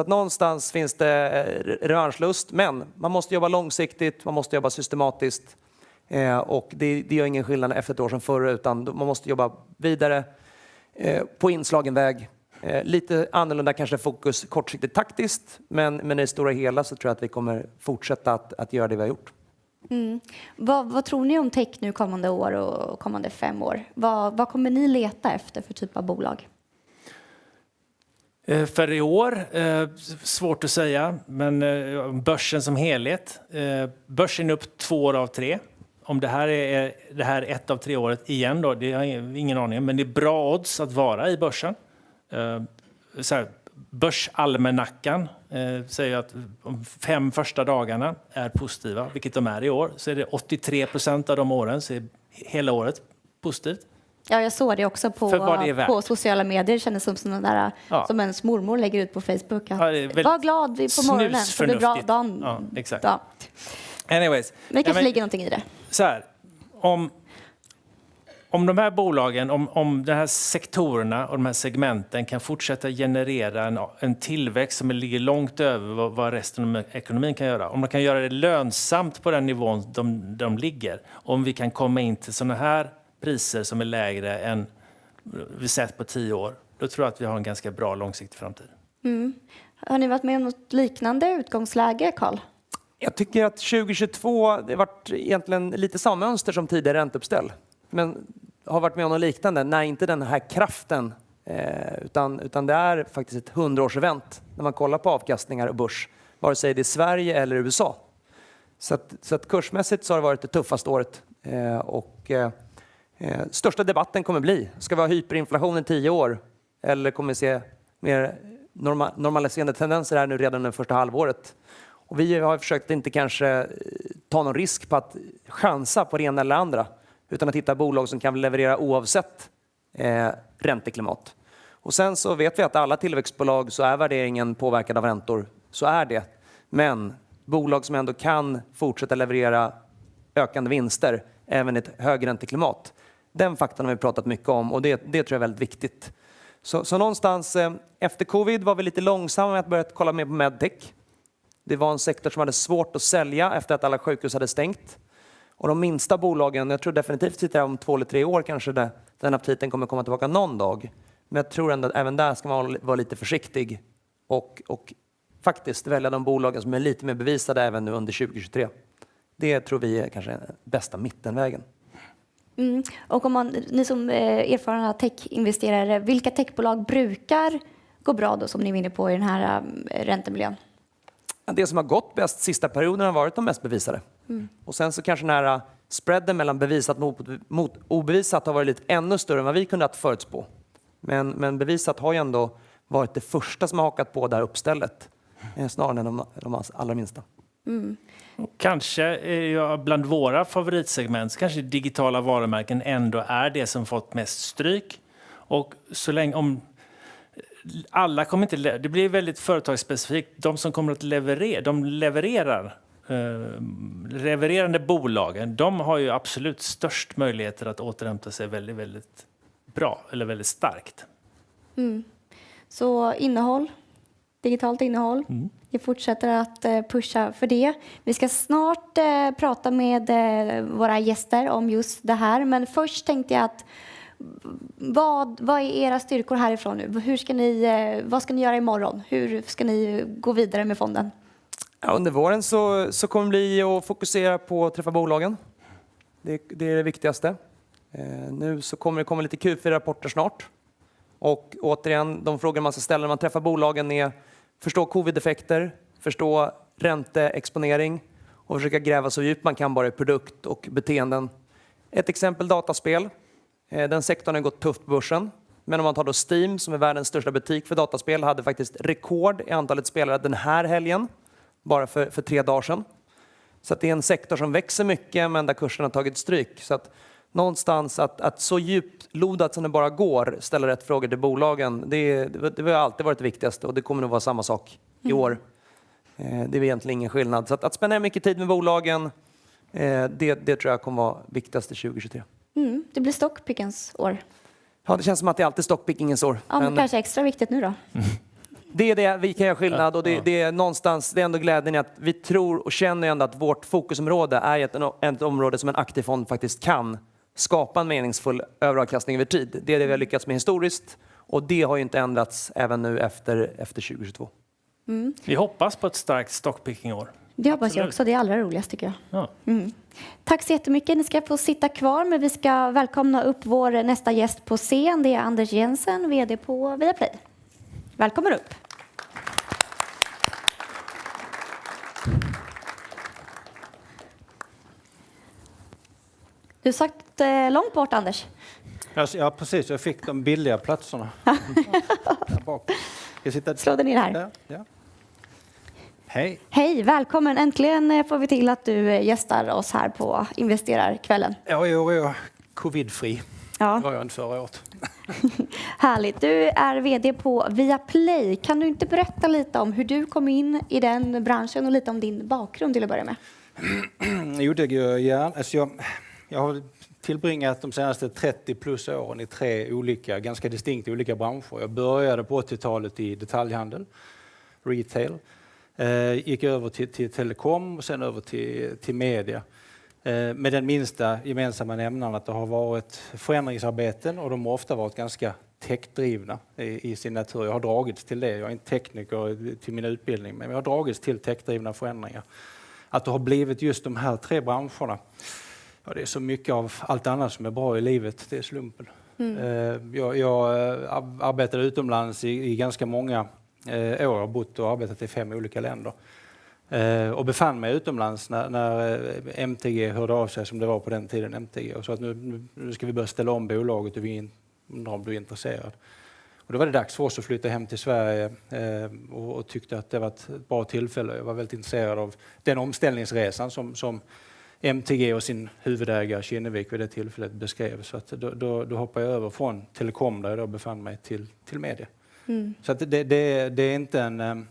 Någonstans finns det revanschlust. Man måste jobba långsiktigt, man måste jobba systematiskt och det gör ingen skillnad efter ett år som förra utan man måste jobba vidare på inslagen väg. Lite annorlunda kanske fokus kortsiktigt taktiskt, men i det stora hela så tror jag att vi kommer fortsätta att göra det vi har gjort. Vad tror ni om tech nu kommande år och kommande 5 år? Vad kommer ni leta efter för typ av bolag? För i år? Svårt att säga, börsen som helhet. Börsen är upp 2 år av 3. Det här är 1 av 3 året igen då, det har jag ingen aning, men det är bra odds att vara i börsen. Såhär Börsalmanackan säger att de 5 första dagarna är positiva, vilket de är i år. Det är 83% av de åren så är hela året positivt. jag såg det också. För vad det är värt. På sociala medier. Det kändes som sådana där som ens mormor lägger ut på Facebook. Var glad på morgonen- Snus förnuft. Blir dagen bra. Anyways. Det kanske ligger någonting i det. Om de här bolagen, om de här sektorerna och de här segmenten kan fortsätta generera en tillväxt som ligger långt över vad resten av ekonomin kan göra. Om man kan göra det lönsamt på den nivån de ligger, om vi kan komma in till sådana här priser som är lägre än vi sett på 10 år, då tror jag att vi har en ganska bra långsiktig framtid. Har ni varit med om något liknande utgångsläge, Carl? Jag tycker att 2022, det har varit egentligen lite samma mönster som tidigare ränteuppställ. Har varit med om något liknande? Nej, inte den här kraften, utan det är faktiskt ett hundraårsevent. När man kollar på avkastningar och börs, vare sig det är Sverige eller USA. Kursmässigt så har det varit det tuffaste året. Största debatten kommer bli: Ska vi ha hyperinflation i 10 år? Kommer vi se mer normal-normaliserande tendenser här nu redan det första halvåret? Vi har ju försökt inte kanske ta någon risk på att chansa på det ena eller det andra, utan att hitta bolag som kan leverera oavsett ränteklimat. Vet vi att alla tillväxtbolag så är värderingen påverkad av räntor. Är det. Bolag som ändå kan fortsätta leverera ökande vinster även i ett högränteklimat. Den faktan har vi pratat mycket om och det tror jag är väldigt viktigt. Någonstans efter COVID var vi lite långsamma med att börja kolla mer på MedTech. Det var en sektor som hade svårt att sälja efter att alla sjukhus hade stängt. De minsta bolagen, jag tror definitivt hit om 2 eller 3 år kanske den aptiten kommer tillbaka någon dag. Jag tror ändå även där ska man vara lite försiktig och faktiskt välja de bolagen som är lite mer bevisade även nu under 2023. Det tror vi är kanske den bästa mittenvägen. Om man, ni som erfarna techinvesterare, vilka techbolag brukar gå bra då som ni är inne på i den här räntemiljön? Det som har gått bäst sista perioden har varit de mest bevisade. Kanske nära spreaden mellan bevisat mot obevisat har varit ännu större än vad vi kunnat förutspå. Bevisat har ju ändå varit det första som har hakat på det här uppstället, snarare än de allra minsta. Kanske bland våra favoritsegment, kanske digitala varumärken ändå är det som fått mest stryk. Det blir väldigt företagsspecifikt. De som kommer att leverera, de levererar. Levererande bolagen, de har ju absolut störst möjligheter att återhämta sig väldigt bra eller väldigt starkt. Innehåll, digitalt innehåll. Vi fortsätter att pusha för det. Vi ska snart prata med våra gäster om just det här. Först tänkte jag att vad är era styrkor härifrån nu? Hur ska ni, vad ska ni göra i morgon? Hur ska ni gå vidare med fonden? Under våren så kommer vi att fokusera på att träffa bolagen. Det är det viktigaste. Nu så kommer det komma lite Q4 rapporter snart. Återigen, de frågor man ska ställa när man träffar bolagen är förstå COVID effekter, förstå ränteexponering och försöka gräva så djupt man kan bara i produkt och beteenden. Ett exempel dataspel. Den sektorn har gått tufft på börsen. Om man tar då Steam, som är världens största butik för dataspel, hade faktiskt rekord i antalet spelare den här helgen, bara för tre dagar sen. Det är en sektor som växer mycket men där kursen har tagit stryk. Någonstans att så djupt lodat som det bara går, ställa rätt frågor till bolagen, det har alltid varit det viktigaste och det kommer nog vara samma sak i år. Det är egentligen ingen skillnad. Spendera mycket tid med bolagen, det tror jag kommer vara viktigast i 2023. Det blir stockpickings år. Det känns som att det alltid är stockpickings år. Ja, kanske extra viktigt nu då. Det är det vi kan göra skillnad. Det är någonstans, det är ändå glädjen i att vi tror och känner ändå att vårt fokusområde är ett område som en aktiv fond faktiskt kan skapa en meningsfull överavkastning över tid. Det är det vi har lyckats med historiskt och det har inte ändrats även nu efter 2022. Vi hoppas på ett starkt stockpicking år. Det hoppas jag också. Det är allra roligast tycker jag. Tack så jättemycket. Vi ska välkomna upp vår nästa gäst på scen. Det är Anders Jensen, VD på Viaplay. Välkommen upp! Du har satt långt bort, Anders. Ja, precis. Jag fick de billiga platserna. Här bak. Ska jag sitta där? Slå dig ner här. Hej! Hej, välkommen. Äntligen får vi till att du gästar oss här på Investerarkvällen. Jo, jo, covidfri. Det var jag inte förra året. Härligt. Du är VD på Viaplay. Kan du inte berätta lite om hur du kom in i den branschen och lite om din bakgrund till att börja med? Det gör jag. Jag har tillbringat de senaste 30 plus åren i three olika, ganska distinkt olika branscher. Jag började på 80-talet i detaljhandeln, retail. Gick över till telecom och sen över till media. Med den minsta gemensamma nämnaren att det har varit förändringsarbeten och de har ofta varit ganska techdrivna i sin natur. Jag har dragits till det. Jag är en tekniker till min utbildning, men jag har dragits till techdrivna förändringar. Att det har blivit just de här three branscherna, ja det är så mycket av allt annat som är bra i livet, det är slumpen. Jag arbetade utomlands i ganska många år. Jag har bott och arbetat i five olika länder och befann mig utomlands när MTG hörde av sig som det var på den tiden MTG. Sa att nu ska vi börja ställa om bolaget och vi undrar om du är intresserad. Då var det dags för oss att flytta hem till Sverige och tyckte att det var ett bra tillfälle. Jag var väldigt intresserad av den omställningsresan som MTG och sin huvudägare Kinnevik vid det tillfället beskrev. Då hoppade jag över från telecom, där jag då befann mig, till media. Det är inte en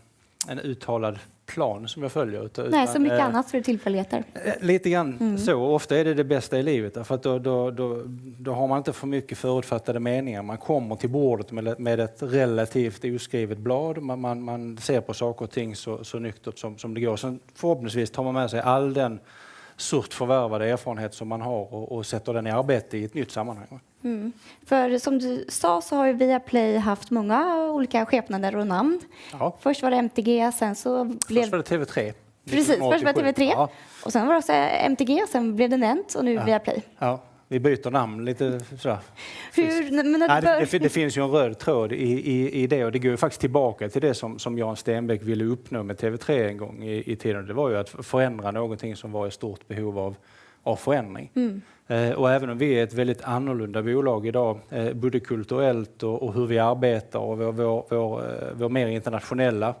uttalad plan som jag följer. Nej, som mycket annat så är det tillfälligheter. Lite grann så. Ofta är det det bästa i livet. Då har man inte för mycket förutfattade meningar. Man kommer till bordet med ett relativt oskrivet blad. Man ser på saker och ting så nyktert som det går. Förhoppningsvis tar man med sig all den sort förvärvad erfarenhet som man har och sätter den i arbete i ett nytt sammanhang. Som du sa så har Viaplay haft många olika skepnader och namn. Först var det MTG. Först var det TV3. Precis, först var det TV3. Sen var det MTG, sen blev det Nent och nu Viaplay. Ja, vi byter namn lite sådär. Det finns ju en röd tråd i det och det går faktiskt tillbaka till det som Jan Stenbeck ville uppnå med TV3 en gång i tiden. Det var ju att förändra någonting som var i stort behov av förändring. Även om vi är ett väldigt annorlunda bolag i dag, både kulturellt och hur vi arbetar och vår mer internationella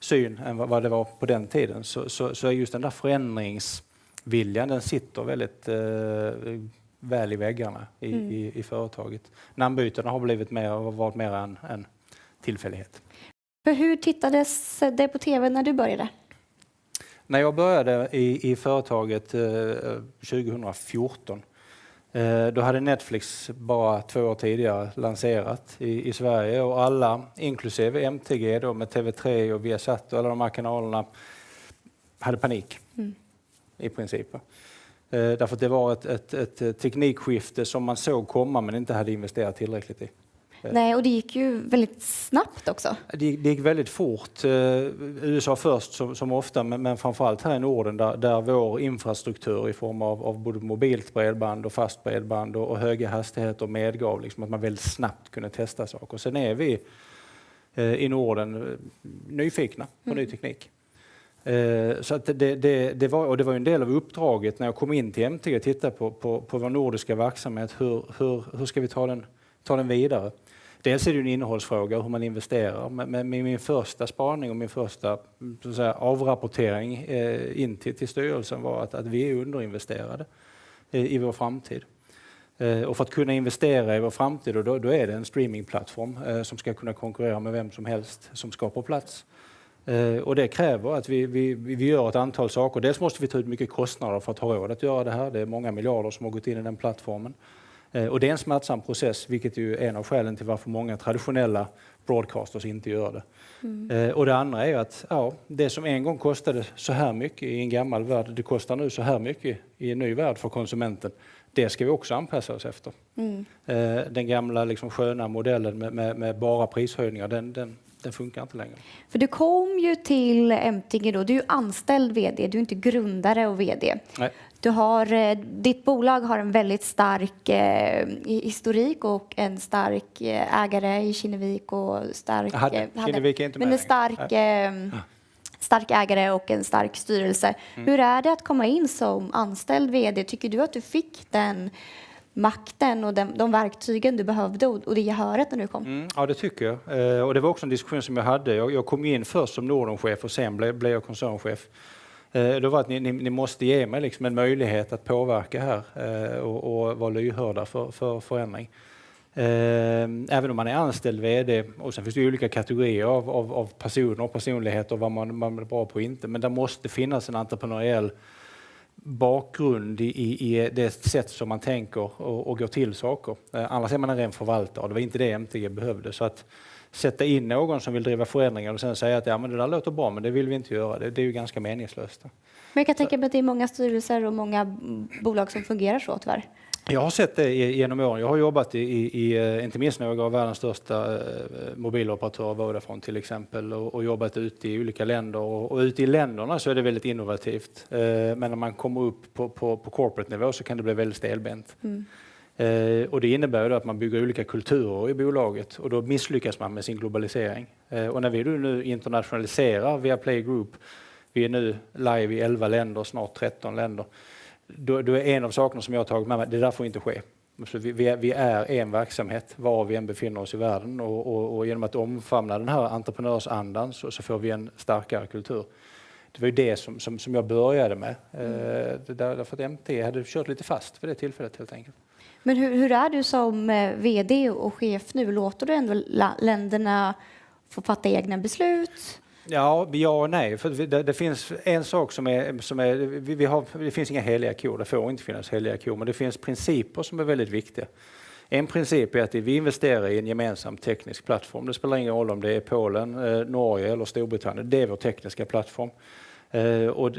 syn än vad det var på den tiden. Är just den där förändringsviljan, den sitter väldigt väl i väggarna i företaget. Namnbytena har blivit mer och varit mer än en tillfällighet. Hur tittades det på TV när du började? Jag började i företaget 2014, då hade Netflix bara two years tidigare lanserat i Sverige och alla inklusive MTG med TV3 och Viasat och alla de här kanalerna hade panik i princip. Det var a teknikskifte som man såg komma men inte hade investerat tillräckligt i. Nej, det gick ju väldigt snabbt också. Det gick väldigt fort. USA först som ofta, men framför allt här i Norden, där vår infrastruktur i form av både mobilt bredband och fast bredband och höga hastigheter medgav liksom att man väldigt snabbt kunde testa saker. Vi är i Norden nyfikna på ny teknik. Det var ju en del av uppdraget när jag kom in till MTG att titta på vår nordiska verksamhet. Hur ska vi ta den vidare? Dels är det en innehållsfråga, hur man investerar. Min första spaning och min första så att säga avrapportering in till styrelsen var att vi är underinvesterade i vår framtid. För att kunna investera i vår framtid, då är det en streamingplattform som ska kunna konkurrera med vem som helst som ska på plats. Det kräver att vi gör ett antal saker. Dels måste vi ta ut mycket kostnader för att ha råd att göra det här. Det är många miljarder som har gått in i den plattformen. Det är en smärtsam process, vilket är en av skälen till varför många traditionella broadcasters inte gör det. Det andra är att det som en gång kostade såhär mycket i en gammal värld, det kostar nu såhär mycket i en ny värld för konsumenten. Det ska vi också anpassa oss efter. Den gamla sköna modellen med bara prishöjningar, den funkar inte längre. Du kom ju till MTG då. Du är anställd vd, du är inte grundare och vd. Ditt bolag har en väldigt stark historik och en stark ägare i Kinnevik. Hade, Kinnevik är inte med mer. En stark ägare och en stark styrelse. Hur är det att komma in som anställd vd? Tycker du att du fick den makten och de verktygen du behövde och det gehöret när du kom? Det tycker jag. Det var också en diskussion som jag hade. Jag kom in först som Nordenchef och sen blev jag koncernchef. Att ni måste ge mig liksom en möjlighet att påverka här och vara lyhörda för förändring. Även om man är anställd vd. Sen finns det olika kategorier av personer och personligheter, vad man är bra på och inte. Där måste finnas en entreprenöriell bakgrund i det sätt som man tänker och går till saker. Annars är man en ren förvaltare. Det var inte det MTG behövde. Att sätta in någon som vill driva förändringar och sen säga att ja, men det där låter bra, men det vill vi inte göra. Det är ju ganska meningslöst. Jag kan tänka mig att det är många styrelser och många bolag som fungerar så tyvärr. Jag har sett det igenom åren. Jag har jobbat i inte minst några av världens största mobiloperatörer, Vodafone till exempel, jobbat ute i olika länder. Ute i länderna så är det väldigt innovativt. När man kommer upp på corporate nivå så kan det bli väldigt stelbent. Det innebär ju då att man bygger olika kulturer i bolaget och då misslyckas man med sin globalisering. När vi nu internationaliserar Viaplay Group, vi är nu live i 11 länder, snart 13 länder. En av sakerna som jag har tagit med mig, det där får inte ske. Vi är en verksamhet var vi än befinner oss i världen och genom att omfamna den här entreprenörsandan så får vi en starkare kultur. Det var ju det som jag började med. MTG hade kört lite fast för det tillfället helt enkelt. Hur är du som VD och chef nu? Låter du ändå länderna få fatta egna beslut? Ja och nej, det finns en sak som är, det finns inga heliga kor. Det får inte finnas heliga kor, men det finns principer som är väldigt viktiga. En princip är att vi investerar i en gemensam teknisk plattform. Det spelar ingen roll om det är Polen, Norge eller Storbritannien. Det är vår tekniska plattform.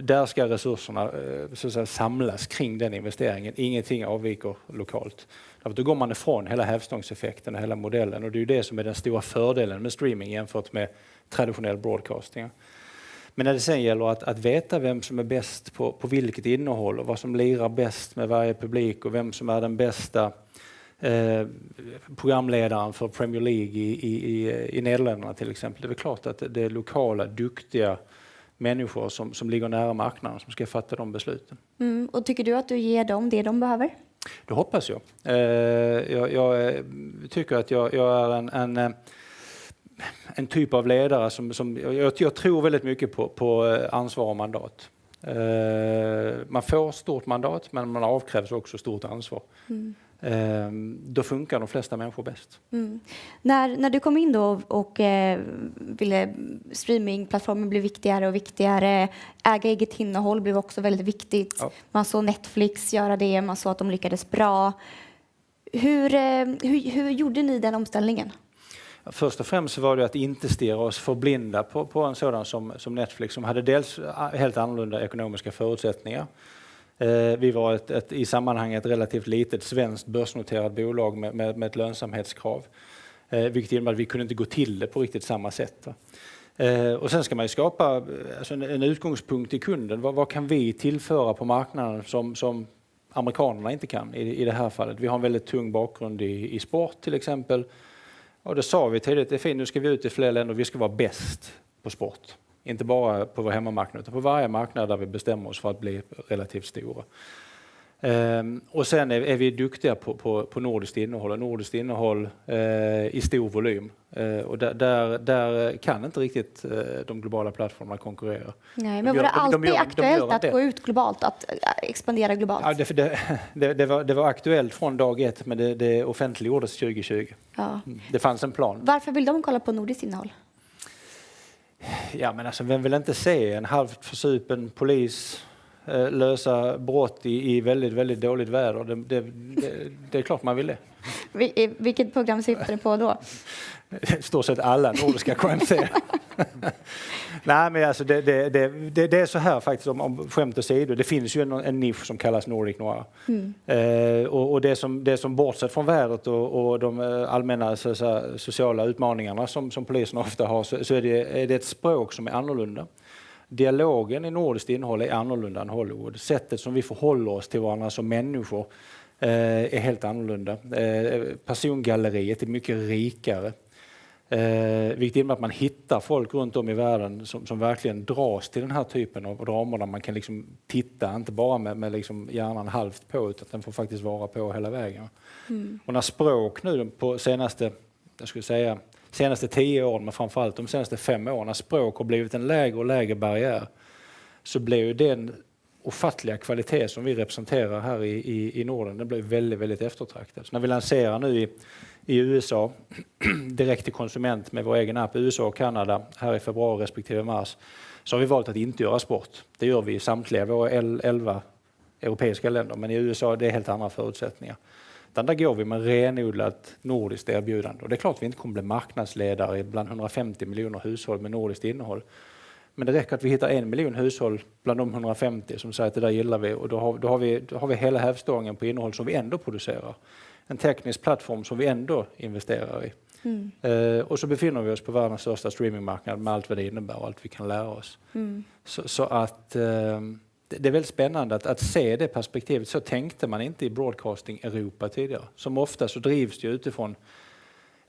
Där ska resurserna så att säga samlas kring den investeringen. Ingenting avviker lokalt. Då går man ifrån hela hävstångseffekten och hela modellen. Det är ju det som är den stora fördelen med streaming jämfört med traditionell broadcasting. När det sedan gäller att veta vem som är bäst på vilket innehåll och vad som lirar bäst med varje publik och vem som är den bästa programledaren för Premier League i Nederländerna, till exempel. Det är väl klart att det är lokala, duktiga människor som ligger nära marknaden som ska fatta de besluten. Tycker du att du ger dem det de behöver? Det hoppas jag. Jag tycker att jag är en typ av ledare som jag tror väldigt mycket på ansvar och mandat. Man får stort mandat, men man avkrävs också stort ansvar. Då funkar de flesta människor bäst. När du kom in då och ville streamingplattformen bli viktigare och viktigare, äga eget innehåll blev också väldigt viktigt. Man såg Netflix göra det, man såg att de lyckades bra. Hur gjorde ni den omställningen? Först och främst var det att inte stirra oss förblinda på en sådan som Netflix som hade dels helt annorlunda ekonomiska förutsättningar. Vi var ett, i sammanhanget, ett relativt litet svenskt börsnoterat bolag med ett lönsamhetskrav, vilket innebar att vi kunde inte gå till det på riktigt samma sätt då. Sen ska man ju skapa en utgångspunkt i kunden. Vad kan vi tillföra på marknaden som amerikanerna inte kan i det här fallet? Vi har en väldigt tung bakgrund i sport, till exempel. Det sa vi tydligt: "Det är fint, nu ska vi ut i fler länder. Vi ska vara bäst på sport." Inte bara på vår hemmamarknad, utan på varje marknad där vi bestämmer oss för att bli relativt stora. Sen är vi duktiga på nordiskt innehåll och nordiskt innehåll i stor volym. Där, där kan inte riktigt de globala plattformarna konkurrera. Nej, var det alltid aktuellt att gå ut globalt, att expandera globalt? Det var aktuellt från dag ett, men det offentliggjordes 2020. Det fanns en plan. Varför vill de kolla på nordiskt innehåll? Ja, alltså vem vill inte se en halvt försupen polis lösa brott i väldigt dåligt väder? Det, det är klart man vill det. Vilket program sitter du på då? I och för sig alla Nordic crime-series. Det är såhär faktiskt om skämt åsido, det finns ju en niche som kallas Nordic noir. Det som bortsett från vädret och de allmänna så att säga sociala utmaningarna som poliserna ofta har, så är det ett språk som är annorlunda. Dialogen i nordiskt innehåll är annorlunda än Hollywood. Sättet som vi förhåller oss till varandra som människor är helt annorlunda. Persongalleriet är mycket rikare, vilket innebär att man hittar folk runt om i världen som verkligen dras till den här typen av dramorna. Man kan titta inte bara med hjärnan halvt på, utan den får faktiskt vara på hela vägen. När språk nu på senaste 10 åren, men framför allt de senaste 5 åren, när språk har blivit en lägre och lägre barriär, så blir ju den ofattliga kvalitet som vi representerar här i Norden, den blir väldigt eftertraktad. När vi lanserar nu i USA direkt till konsument med vår egen app i USA och Canada här i February respektive March, så har vi valt att inte göra sport. Det gör vi i samtliga våra 11 European länder, i USA, det är helt andra förutsättningar. Dän där går vi med renodlat Nordic erbjudande. Det är klart vi inte kommer bli marknadsledare bland 150 miljoner hushåll med Nordic innehåll. Det räcker att vi hittar 1 miljon hushåll bland de 150 som säger att det där gillar vi. Då har vi hela hävstången på innehåll som vi ändå producerar. En teknisk plattform som vi ändå investerar i. Så befinner vi oss på världens största streamingmarknad med allt vad det innebär och allt vi kan lära oss. Det är väldigt spännande att se det perspektivet. Tänkte man inte i Broadcasting Europa tidigare. Oftast så drivs det utifrån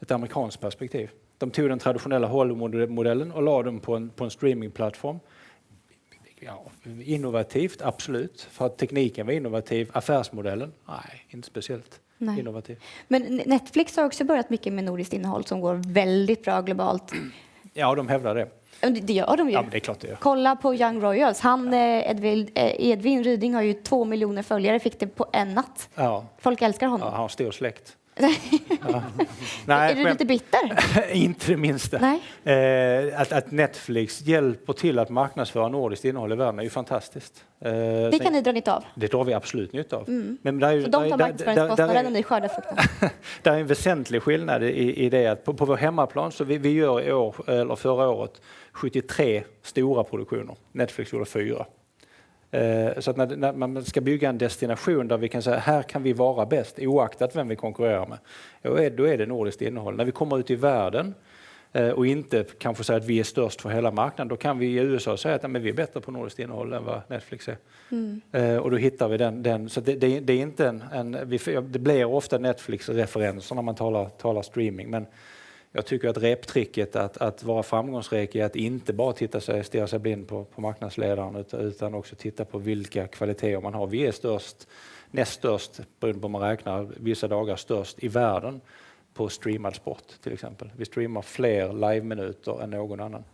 ett amerikanskt perspektiv. De tog den traditionella Hollywood-modellen och la dem på en streamingplattform. Innovativt, absolut. Tekniken var innovativ. Affärsmodellen? Inte speciellt innovativ. Netflix har också börjat mycket med nordiskt innehåll som går väldigt bra globalt. Ja, de hävdar det. Det gör de ju. Ja, det är klart det gör. Kolla på Young Royals. Han, Edvin Ryding har ju 2 million följare, fick det på en natt. Folk älskar honom. Ja, han har stor släkt. Är du lite bitter? Inte det minsta. Att Netflix hjälper till att marknadsföra nordiskt innehåll i världen är ju fantastiskt. Det kan ni dra nytta av? Det drar vi absolut nytta av. De tar marknadsföringskostnaden och ni skördar frukterna. Det är en väsentlig skillnad i det att på vår hemmaplan så vi gör i år eller förra året 73 stora produktioner. Netflix gjorde 4. När man ska bygga en destination där vi kan säga att här kan vi vara bäst oaktat vem vi konkurrerar med, ja då är det nordiskt innehåll. När vi kommer ut i världen och inte kanske säger att vi är störst på hela marknaden, då kan vi i USA säga att vi är bättre på nordiskt innehåll än vad Netflix är. Då hittar vi den. Det är inte en, det blir ofta Netflix references när man talar streaming. Jag tycker att reptricket att vara framgångsrik är att inte bara titta sig, stirra sig blind på marknadsledaren, utan också titta på vilka kvaliteter man har. Vi är störst, näst störst, beroende på om man räknar vissa dagar störst i världen på streamad sport till exempel. Vi streamar fler liveminuter än någon annan.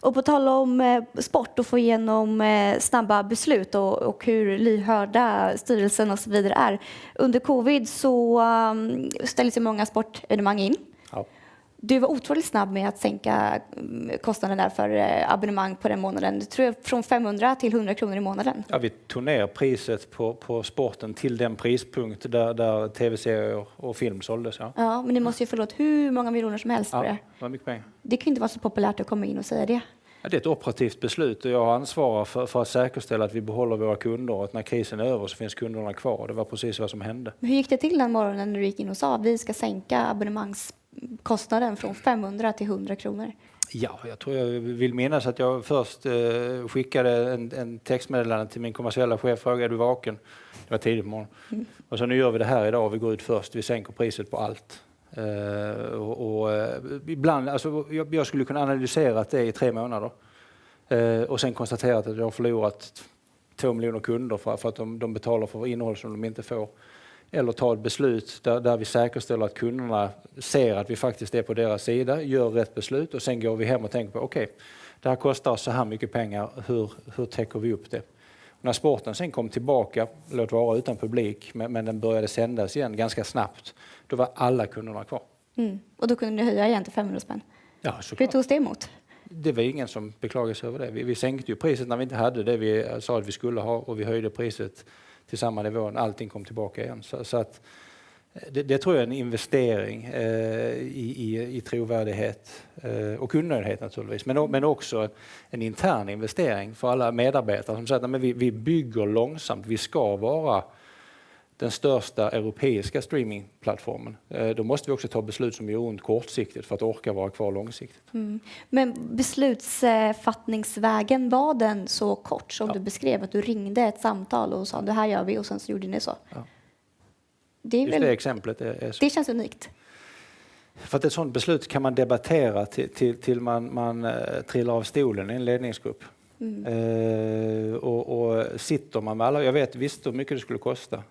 På tal om sport och få igenom snabba beslut och hur lyhörda styrelsen och så vidare är. Under covid ställdes ju många sportevenemang in. Du var otroligt snabb med att sänka kostnaden där för abonnemang på den månaden. Tror jag från SEK 500 till SEK 100 i månaden. Vi tog ner priset på sporten till den prispunkt där tv-serier och film såldes. Ni måste ju förlora hur många miljoner som helst på det. Ja, det var mycket pengar. Det kan ju inte vara så populärt att komma in och säga det. Ja, det är ett operativt beslut och jag ansvarar för att säkerställa att vi behåller våra kunder och att när krisen är över så finns kunderna kvar. Det var precis vad som hände. Hur gick det till den morgonen när du gick in och sa: Vi ska sänka abonnemenskostnaden från SEK 500 till SEK 100? Jag tror jag vill minnas att jag först skickade en textmeddelande till min kommersiella chef och frågade: Är du vaken? Det var tidigt på morgon. Sa: Nu gör vi det här i dag och vi går ut först. Vi sänker priset på allt. Ibland, alltså jag skulle kunna analyserat det i 3 månader och sen konstaterat att jag har förlorat 2 million kunder för att de betalar för innehåll som de inte får. Ta ett beslut där vi säkerställer att kunderna ser att vi faktiskt är på deras sida, gör rätt beslut och sen går vi hem och tänker på: Okej, det här kostar såhär mycket pengar, hur täcker vi upp det? När sporten sen kom tillbaka, låt vara utan publik, men den började sändas igen ganska snabbt. Var alla kunderna kvar. Då kunde ni höja igen till SEK 500. Ja, såklart. Hur togs det emot? Det var ingen som beklagade sig över det. Vi sänkte ju priset när vi inte hade det vi sa att vi skulle ha och vi höjde priset till samma nivå när allting kom tillbaka igen. Det tror jag är en investering i trovärdighet och kundnöjdhet naturligtvis, men också en intern investering för alla medarbetare som säger: Nämen vi bygger långsamt, vi ska vara den största europeiska streamingplattformen. Då måste vi också ta beslut som gör ont kortsiktigt för att orka vara kvar långsiktigt. Beslutsfattningsvägen, var den så kort som du beskrev att du ringde ett samtal och sa: Det här gör vi och sen gjorde ni så? Ja. Det är ju. Just det exemplet är så. Det känns unikt. För att ett sådant beslut kan man debattera till man trillar av stolen i en ledningsgrupp. Sitter man med alla, jag vet visst hur mycket det skulle kosta.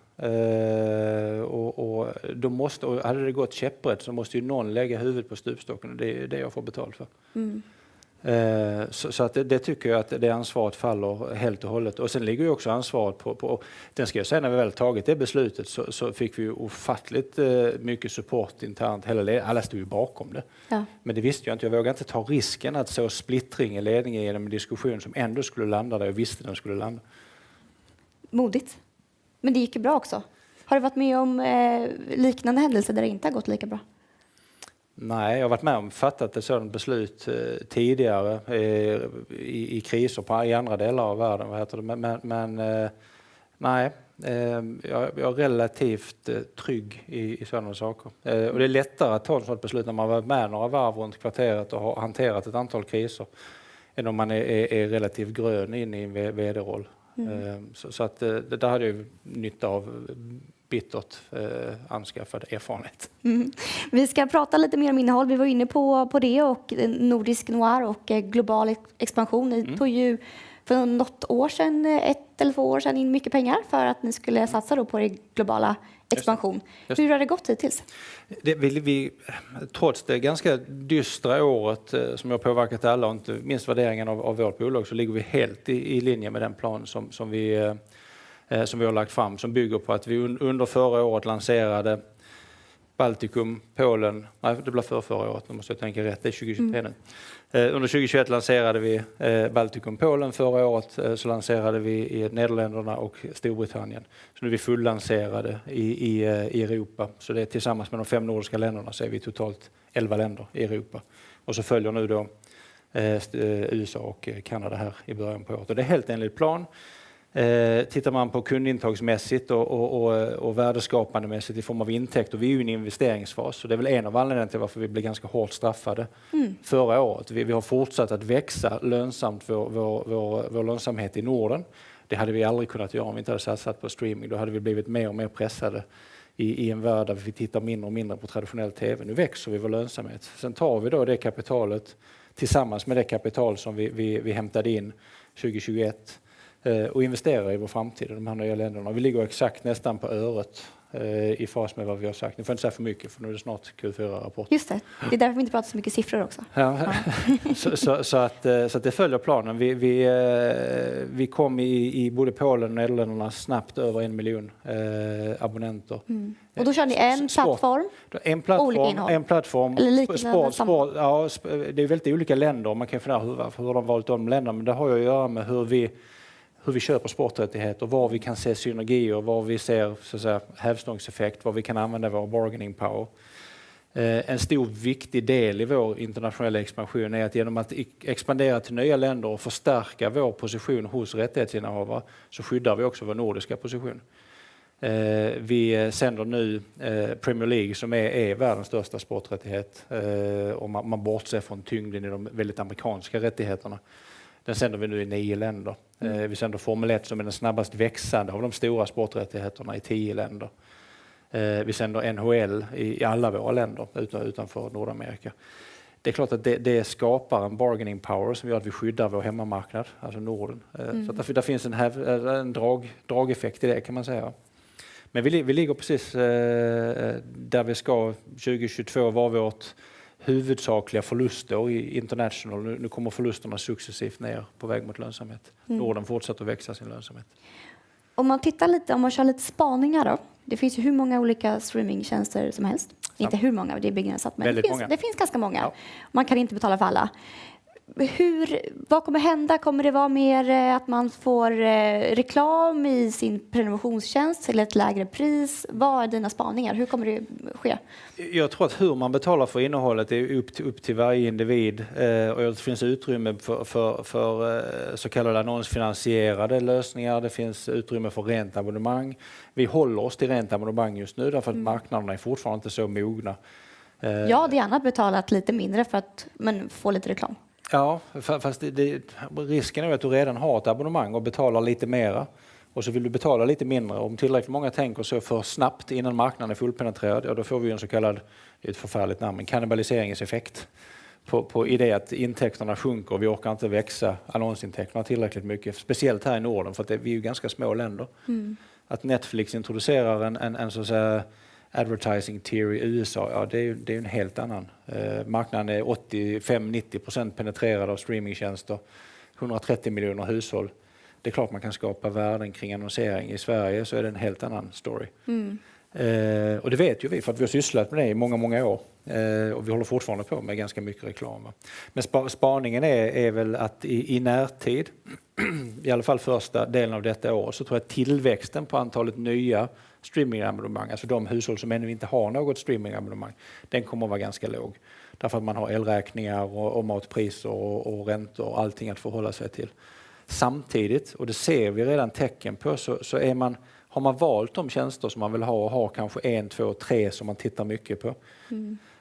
Då måste, hade det gått käpprätt så måste ju någon lägga huvudet på stupstocken. Det är ju det jag får betalt för. Det tycker jag att det ansvaret faller helt och hållet. Sen ligger ju också ansvaret på den ska jag säga när vi väl tagit det beslutet så fick vi ju ofattligt mycket support internt. Hela ledning, alla stod ju bakom det. Det visste jag inte. Jag vågade inte ta risken att så splittring i ledningen igenom en diskussion som ändå skulle landa där jag visste den skulle landa. Modigt. Det gick ju bra också. Har du varit med om liknande händelser där det inte har gått lika bra? Jag har varit med och fattat ett sådant beslut tidigare i kriser på andra delar av världen, vad heter det. Nej, jag är relativt trygg i sådana saker. Det är lättare att ta ett sådant beslut när man har varit med några varv runt kvarteret och hanterat ett antal kriser än om man är relativt grön in i en vd-roll. Det där hade jag ju nytta av bittert anskaffad erfarenhet. Vi ska prata lite mer om innehåll. Vi var inne på det och Nordic noir och global expansion. Ni tog ju för något år sen, 1 eller 2 år sen, in mycket pengar för att ni skulle satsa då på det globala expansion. Hur har det gått hittills? Det vill vi, trots det ganska dystra året som har påverkat alla, inte minst värderingen av vårt bolag, så ligger vi helt i linje med den plan som vi har lagt fram, som bygger på att vi under förra året lanserade Baltikum, Polen. Det blev förrförra året. Måste jag tänka rätt, det är 2023 nu. Under 2021 lanserade vi Baltikum, Polen. Förra året lanserade vi i Nederländerna och Storbritannien. Nu är vi fullanserade i Europa. Det är tillsammans med de fem nordiska länderna så är vi totalt 11 länder i Europa. Följer nu då USA och Kanada här i början på året. Det är helt enligt plan. Tittar man på kundintagsmässigt och värdeskapandemässigt i form av intäkt, vi är ju en investeringsfas. Det är väl en av anledningarna till varför vi blev ganska hårt straffade förra året. Vi har fortsatt att växa lönsamt vår lönsamhet i Norden. Det hade vi aldrig kunnat göra om vi inte hade satsat på streaming. Hade vi blivit mer och mer pressade i en värld där vi tittar mindre och mindre på traditionell tv. Växer vi vår lönsamhet. Tar vi då det kapitalet tillsammans med det kapital som vi hämtade in 2021 och investerar i vår framtid i de här nya länderna. Vi ligger exakt nästan på öret i fas med vad vi har sagt. Får jag inte säga för mycket för nu är det snart Q4-rapport. Just det är därför vi inte pratar så mycket siffror också. Det följer planen. Vi kom i både Polen och Nederländerna snabbt över 1 million abonnenter. Då kör ni en platform? En plattform. Olika innehåll? En plattform. Eller liknande plattform? Sport, sport. Ja, det är väldigt olika länder. Man kan fundera hur, varför har de valt de länderna? Det har ju att göra med hur vi köper sporträttigheter, var vi kan se synergier, var vi ser så att säga hävstångseffekt, var vi kan använda vår bargaining power. En stor viktig del i vår internationella expansion är att genom att expandera till nya länder och förstärka vår position hos rättighetsinnehavare så skyddar vi också vår nordiska position. Vi sänder nu Premier League som är världens största sporträttighet. Man bortser från tyngden i de väldigt amerikanska rättigheterna. Den sänder vi nu i 9 länder. Vi sänder Formula 1 som är den snabbast växande av de stora sporträttigheterna i 10 länder. Vi sänder NHL i alla våra länder utanför Nordamerika. Det är klart att det skapar en bargaining power som gör att vi skyddar vår hemmamarknad, alltså Norden. Där finns en drageffekt i det kan man säga, ja. Vi ligger precis där vi ska. 2022 var vårt huvudsakliga förlustår i International. Nu kommer förlusterna successivt ned på väg mot lönsamhet. Norden fortsätter att växa sin lönsamhet. Om man tittar lite, om man kör lite spaningar då. Det finns ju hur många olika streamingtjänster som helst. Inte hur många, det är begränsat- Väldigt många. Det finns ganska många. Man kan inte betala för alla. Hur, vad kommer hända? Kommer det vara mer att man får reklam i sin prenumerationstjänst eller ett lägre pris? Vad är dina spaningar? Hur kommer det ske? Jag tror att hur man betalar för innehållet är ju upp till varje individ. Det finns utrymme för så kallade annonsfinansierade lösningar. Det finns utrymme för rent abonnemang. Vi håller oss till rent abonnemang just nu därför att marknaden är fortfarande inte så mogna. Jag hade gärna betalat lite mindre för att man får lite reklam. Fast det, risken är ju att du redan har ett abonnemang och betalar lite mera, och så vill du betala lite mindre. Om tillräckligt många tänker så för snabbt innan marknaden är fullpenetrerad, då får vi en så kallad, ett förfärligt namn, men kannibaliseringseffekt på idén att intäkterna sjunker. Vi orkar inte växa annonsintäkterna tillräckligt mycket, speciellt här i Norden, för att vi är ju ganska små länder. Att Netflix introducerar en så att säga advertising tier i USA, det är ju en helt annan. Marknaden är 85-90% penetrerad av streamingtjänster, 130 million hushåll. Det är klart man kan skapa värden kring annonsering. I Sverige är det en helt annan story. Det vet ju vi för att vi har sysslat med det i många år, och vi håller fortfarande på med ganska mycket reklamer. Spaningen är väl att i närtid, i alla fall första delen av detta år, tror jag tillväxten på antalet nya streamingabonnemang, alltså de hushåll som ännu inte har något streamingabonnemang, den kommer att vara ganska låg. Därför att man har elräkningar och matpriser och räntor och allting att förhålla sig till. Samtidigt, det ser vi redan tecken på, har man valt de tjänster som man vill ha och har kanske en, två, tre som man tittar mycket på.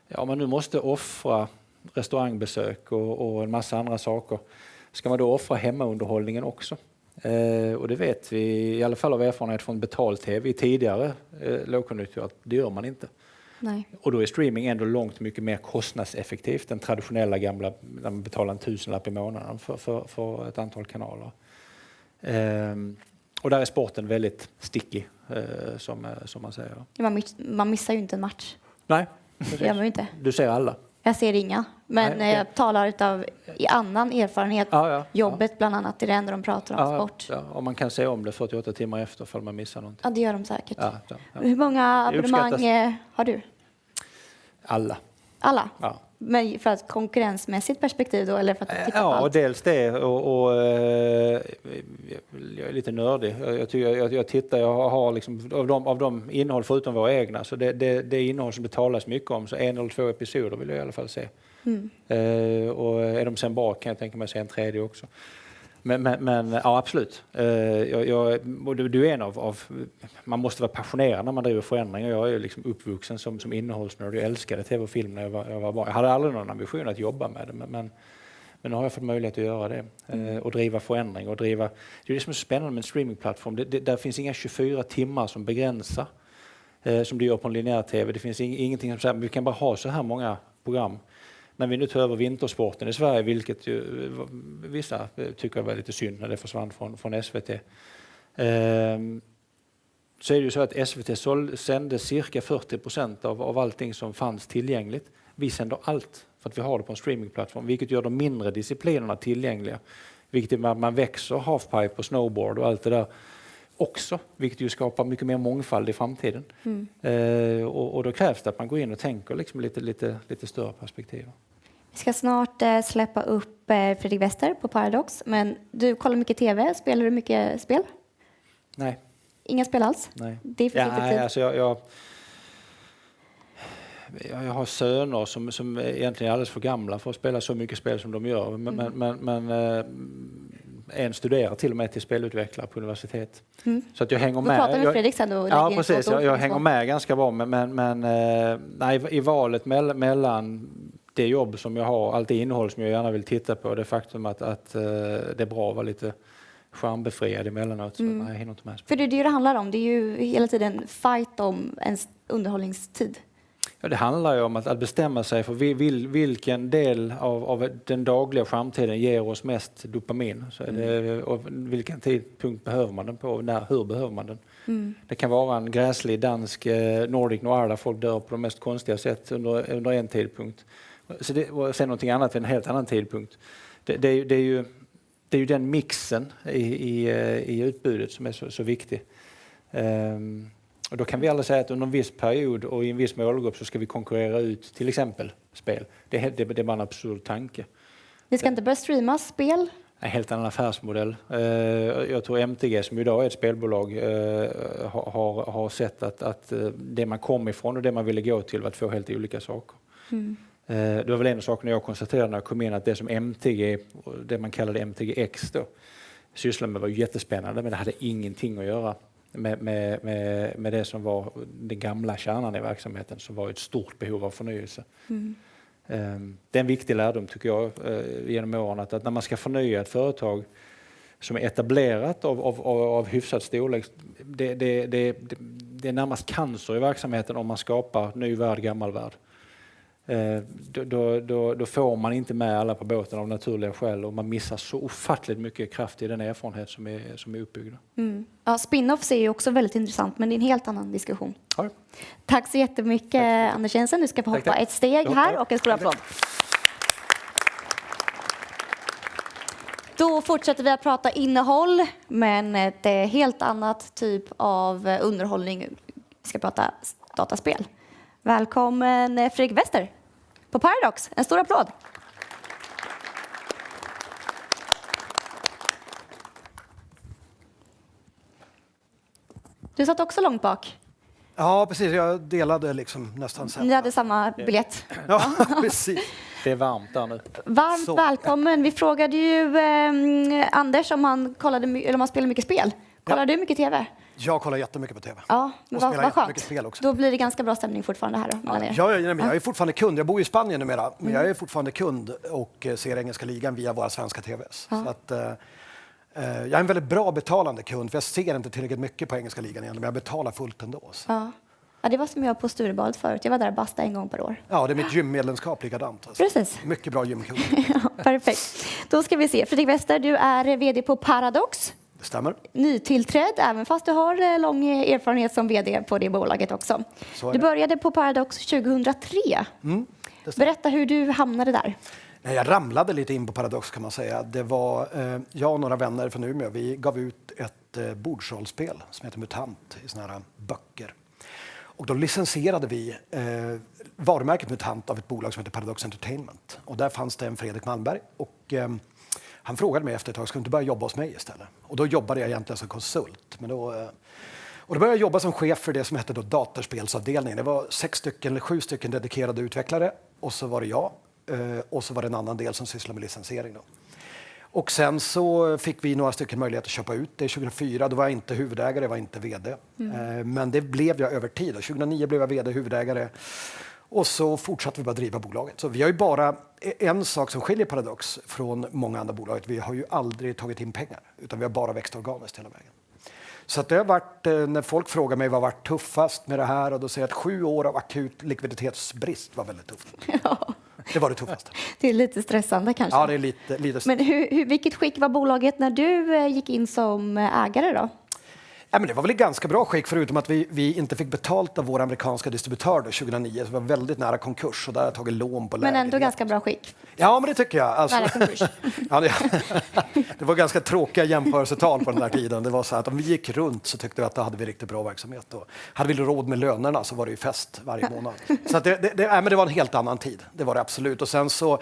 Ja, om man nu måste offra restaurangbesök och en massa andra saker, ska man då offra hemmaunderhållningen också? Det vet vi i alla fall av erfarenhet från betal-tv i tidigare lågkonjunkturer att det gör man inte. Nej. Då är streaming ändå långt mycket mer kostnadseffektivt än traditionella gamla, när man betalar SEK 1,000 i månaden för ett antal kanaler. Där är sporten väldigt sticky som man säger. Man missar ju inte en match. Nej, precis. Det gör man ju inte. Du ser alla. Jag ser inga, men jag talar utav annan erfarenhet, jobbet bland annat. Det är där ändå de pratar om sport. Ja, ja, om man kan se om det 48 timmar efter ifall man missar någonting. Ja, det gör de säkert. Hur många abonnemang har du? Alla. Alla? Ja. För ett konkurrensmässigt perspektiv då eller för att du tittar på allt? Dels det och jag är lite nördig. Jag tror jag tittar, jag har liksom av de, av de innehåll förutom våra egna, så det är, det är innehåll som det talas mycket om. 1 eller 2 episoder vill jag i alla fall se. Är de sen bra kan jag tänka mig att se en tredje också. Ja, absolut. Jag, och du är en av, man måste vara passionerad när man driver förändring. Jag är ju liksom uppvuxen som innehållsnörd och älskade TV och film när jag var barn. Jag hade aldrig någon ambition att jobba med det, nu har jag fått möjlighet att göra det och driva förändring och driva. Det är ju det som är spännande med en streaming platform. Det, där finns inga 24 timmar som begränsar, som det gör på en linjär TV. Det finns ingenting som säger att vi kan bara ha såhär många program. När vi nu tar över vintersporten i Sverige, vilket ju vissa tycker var lite synd när det försvann från SVT. Så är det ju så att SVT sände cirka 40% av allting som fanns tillgängligt. Vi sänder allt för att vi har det på en streamingplattform, vilket gör de mindre disciplinerna tillgängliga, vilket gör att man växer half pipe och snowboard och allt det där också, vilket ju skapar mycket mer mångfald i framtiden. Då krävs det att man går in och tänker liksom lite större perspektiv. Vi ska snart släppa upp Fredrik Wester på Paradox, men du kollar mycket tv. Spelar du mycket spel? Nej. Inga spel alls? Nej. Det är för lite tid. Ja, jag har söner som egentligen är alldeles för gamla för att spela så mycket spel som de gör. Men en studerar till och med till spelutvecklare på universitet. Att jag hänger med. Då pratar du med Fredrik sen då om spel. Precis, jag hänger med ganska bra. Nej, i valet mellan det jobb som jag har och allt det innehåll som jag gärna vill titta på, det faktum att det är bra att vara lite skärmbefriad emellanåt. Nej, jag hinner inte med spel. Det är ju det det handlar om. Det är ju hela tiden fight om ens underhållningstid. Det handlar ju om att bestämma sig för vi vill vilken del av den dagliga skärmtiden ger oss mest dopamin. Det är så. Vilken tidpunkt behöver man den på? När och hur behöver man den? Det kan vara en gräslig dansk Nordic noir där folk dör på de mest konstiga sätt under en tidpunkt. Det. Sen någonting annat vid en helt annan tidpunkt. Det är ju den mixen i utbudet som är så viktig. Då kan vi aldrig säga att under en viss period och i en viss målgrupp så ska vi konkurrera ut till exempel spel. Det är en absurd tanke. Ni ska inte börja streama spel? Nej, helt annan affärsmodell. Jag tror MTG, som i dag är ett spelbolag, har sett att det man kom ifrån och det man ville gå till var två helt olika saker. Det var väl en av sakerna jag konstaterade när jag kom in att det som MTG, det man kallade MTGX då, sysslade med var jättespännande, men det hade ingenting att göra med det som var den gamla kärnan i verksamheten som var ett stort behov av förnyelse. Det är en viktig lärdom tycker jag igenom åren att när man ska förnya ett företag som är etablerat av hyfsad storlek, det är närmast cancer i verksamheten om man skapar ny värld, gammal värld. Får man inte med alla på båten av naturliga skäl och man missar så ofattligt mycket kraft i den erfarenhet som är uppbyggd. Spin-offs är ju också väldigt intressant, men det är en helt annan diskussion. Ja. Tack så jättemycket Anders Jensen. Du ska få hoppa ett steg här och en stor applåd. Fortsätter vi att prata innehåll, men det är helt annat typ av underhållning. Vi ska prata dataspel. Välkommen Fredrik Wester på Paradox. En stor applåd. Du satt också långt bak. Ja, precis. Jag delade liksom nästan sätena. Ni hade samma biljett. Ja, precis. Det är varmt där nu. Varmt välkommen. Vi frågade ju Anders om han kollade, om han spelade mycket spel. Kollar du mycket tv? Jag kollar jättemycket på tv. Ja, vad skönt. Blir det ganska bra stämning fortfarande här då mellan er. Jag är fortfarande kund. Jag bor i Spanien numera, men jag är fortfarande kund och ser engelska ligan via våra svenska tv:s. Jag är en väldigt bra betalande kund för jag ser inte tillräckligt mycket på engelska ligan egentligen, men jag betalar fullt ändå. Ja, det var som jag på Sturebadet förut. Jag var där och basta en gång per år. Ja, det är mitt gymmedlemskap likadant. Precis. Mycket bra gym. Ja, perfekt. Då ska vi se. Fredrik Wester, du är vd på Paradox. Det stämmer. Nytillträdd även fast du har lång erfarenhet som vd på det bolaget också. Du började på Paradox 2003. Mm. Det stämmer. Berätta hur du hamnade där. Jag ramlade lite in på Paradox Entertainment kan man säga. Det var jag och några vänner från Umeå, vi gav ut ett bordsrollspel som heter Mutant i såna här böcker. Då licensierade vi varumärket Mutant av ett bolag som heter Paradox Entertainment. Där fanns det en Fredrik Malmberg och han frågade mig efter ett tag: "Ska du inte börja jobba hos mig istället?" Då jobbade jag egentligen som konsult. Då började jag jobba som chef för det som hette då dataspelsavdelningen. Det var 6 stycken, 7 stycken dedikerade utvecklare och så var det jag. Så var det en annan del som sysslade med licensiering då. Sen så fick vi några stycken möjlighet att köpa ut det 2004. Då var jag inte huvudägare, jag var inte vd. Det blev jag över tid. 2009 blev jag vd och huvudägare och fortsatte vi bara driva bolaget. Vi har ju bara en sak som skiljer Paradox från många andra bolag. Vi har ju aldrig tagit in pengar, utan vi har bara växt organiskt hela vägen. Att det har varit, när folk frågar mig vad har varit tuffast med det här, då säger jag att 7 år av akut likviditetsbrist var väldigt tufft. Det var det tuffaste. Det är lite stressande kanske. Ja, det är lite. Vilket skick var bolaget när du gick in som ägare då? Det var väl i ganska bra skick, förutom att vi inte fick betalt av vår amerikanska distributör då 2009. Vi var väldigt nära konkurs och där har jag tagit lån. ändå ganska bra skick. Ja, men det tycker jag alltså. Nära konkurs. Det var ganska tråkiga jämförelsetal från den här tiden. Det var så här att om vi gick runt så tyckte vi att då hade vi riktigt bra verksamhet då. Hade vi råd med lönerna så var det ju fest varje månad. Det, nej men det var en helt annan tid. Det var det absolut. Sen så,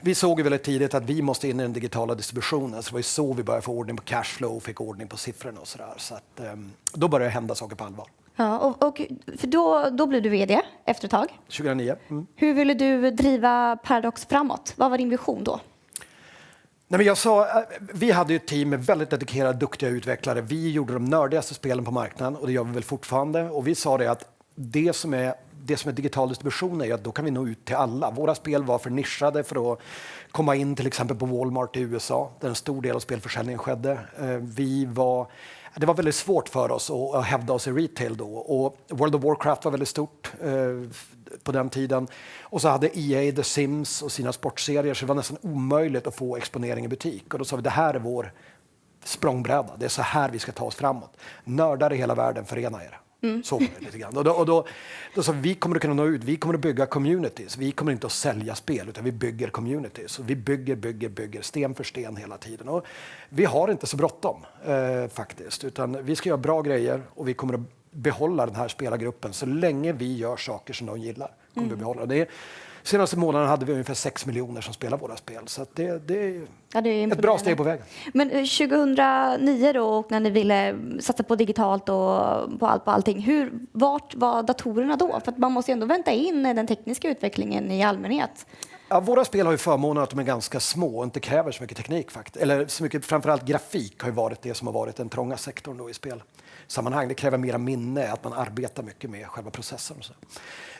vi såg ju väldigt tidigt att vi måste in i den digitala distributionen. Det var ju så vi började få ordning på cashflow, fick ordning på siffrorna och sådär. Då började det hända saker på allvar. För då blev du vd efter ett tag. 2009. Hur ville du driva Paradox framåt? Vad var din vision då? Nej men jag sa, vi hade ju ett team med väldigt dedikerade, duktiga utvecklare. Vi gjorde de nördigaste spelen på marknaden och det gör vi väl fortfarande. Vi sa det att det som är digital distribution är att då kan vi nå ut till alla. Våra spel var för nischade för att komma in till exempel på Walmart i USA, där en stor del av spelförsäljningen skedde. Det var väldigt svårt för oss att hävda oss i retail då. World of Warcraft var väldigt stort på den tiden. Hade EA The Sims och sina sportserier. Det var nästan omöjligt att få exponering i butik. Då sa vi, det här är vår språngbräda. Det är såhär vi ska ta oss framåt. Nördar i hela världen, förena er. Var det lite grann. Då sa vi kommer att kunna nå ut, vi kommer att bygga communities. Vi kommer inte att sälja spel, utan vi bygger communities. Vi bygger, bygger, sten för sten hela tiden. Utan vi har inte så bråttom, faktiskt. Utan vi ska göra bra grejer och vi kommer att behålla den här spelargruppen. Så länge vi gör saker som de gillar kommer vi att behålla det. Senaste månaden hade vi ungefär 6 million som spelar våra spel. Att det är ett bra steg på vägen. 2009 då, när ni ville satsa på digitalt och på allt på allting, hur, vart var datorerna då? För att man måste ju ändå vänta in den tekniska utvecklingen i allmänhet. Ja, våra spel har ju förmånen att de är ganska små och inte kräver så mycket teknik faktiskt. Eller så mycket, framför allt grafik har ju varit det som har varit den trånga sektorn då i spelsammanhang. Det kräver mera minne, att man arbetar mycket med själva processen och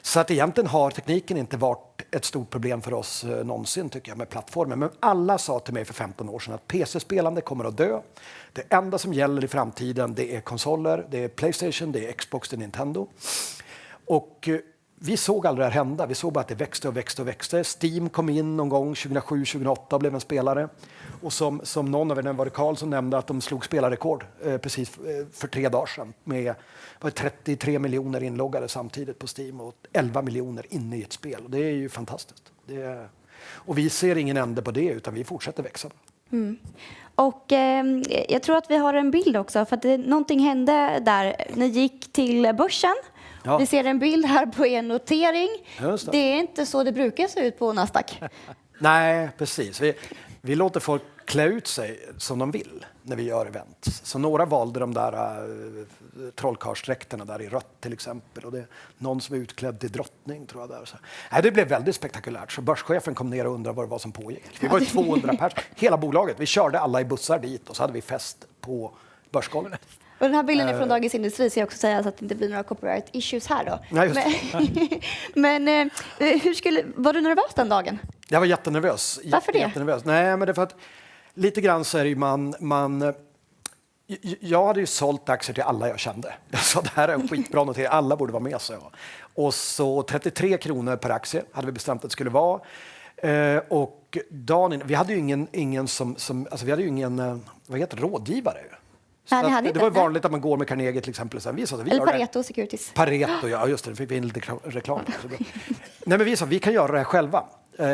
så. Egentligen har tekniken inte varit ett stort problem för oss någonsin tycker jag med plattformen. Alla sa till mig för 15 år sedan att PC-spelande kommer att dö. Det enda som gäller i framtiden, det är konsoler, det är PlayStation, det är Xbox, det är Nintendo. Vi såg aldrig det hända. Vi såg bara att det växte och växte och växte. Steam kom in någon gång 2007, 2008 och blev en spelare. Som, som någon av er nämnde, Karlsson nämnde att de slog spelarrekord precis för tre dagar sen med vad är det, 33 miljoner inloggade samtidigt på Steam och 11 miljoner inne i ett spel. Det är ju fantastiskt. Vi ser ingen ände på det, utan vi fortsätter växa. Jag tror att vi har en bild också, för att någonting hände där. Ni gick till börsen. Vi ser en bild här på er notering. Det är inte så det brukar se ut på Nasdaq. Nej, precis. Vi låter folk klä ut sig som de vill när vi gör event. Några valde de där trollkarlsdräkterna där i rött till exempel. Det är någon som är utklädd till drottning tror jag där och så. Nej, det blev väldigt spektakulärt. Börschefen kom ner och undrade vad det var som pågick. Vi var ju 200 pers, hela bolaget. Vi körde alla i bussar dit och så hade vi fest på börsgolvet. Den här bilden är från Dagens Industri ska jag också säga så att det inte blir några copyright issues här då. Nej, just det. Var du nervös den dagen? Jag var jättenervös. Varför det? Jättenervös. Det är för att lite grann så är det ju Jag hade ju sålt aktier till alla jag kände. Jag sa: "Det här är en skitbra notering, alla borde vara med", sa jag. 33 SEK per aktie hade vi bestämt att det skulle vara. Dagen in, vi hade ju ingen som, alltså vi hade ju ingen, vad heter, rådgivare ju. Nej, ni hade inte det? Det var ju vanligt att man går med Carnegie till exempel. Pareto Securities. Pareto, ja just det, vi fick in lite reklam. Nej, vi sa: "Vi kan göra det här själva".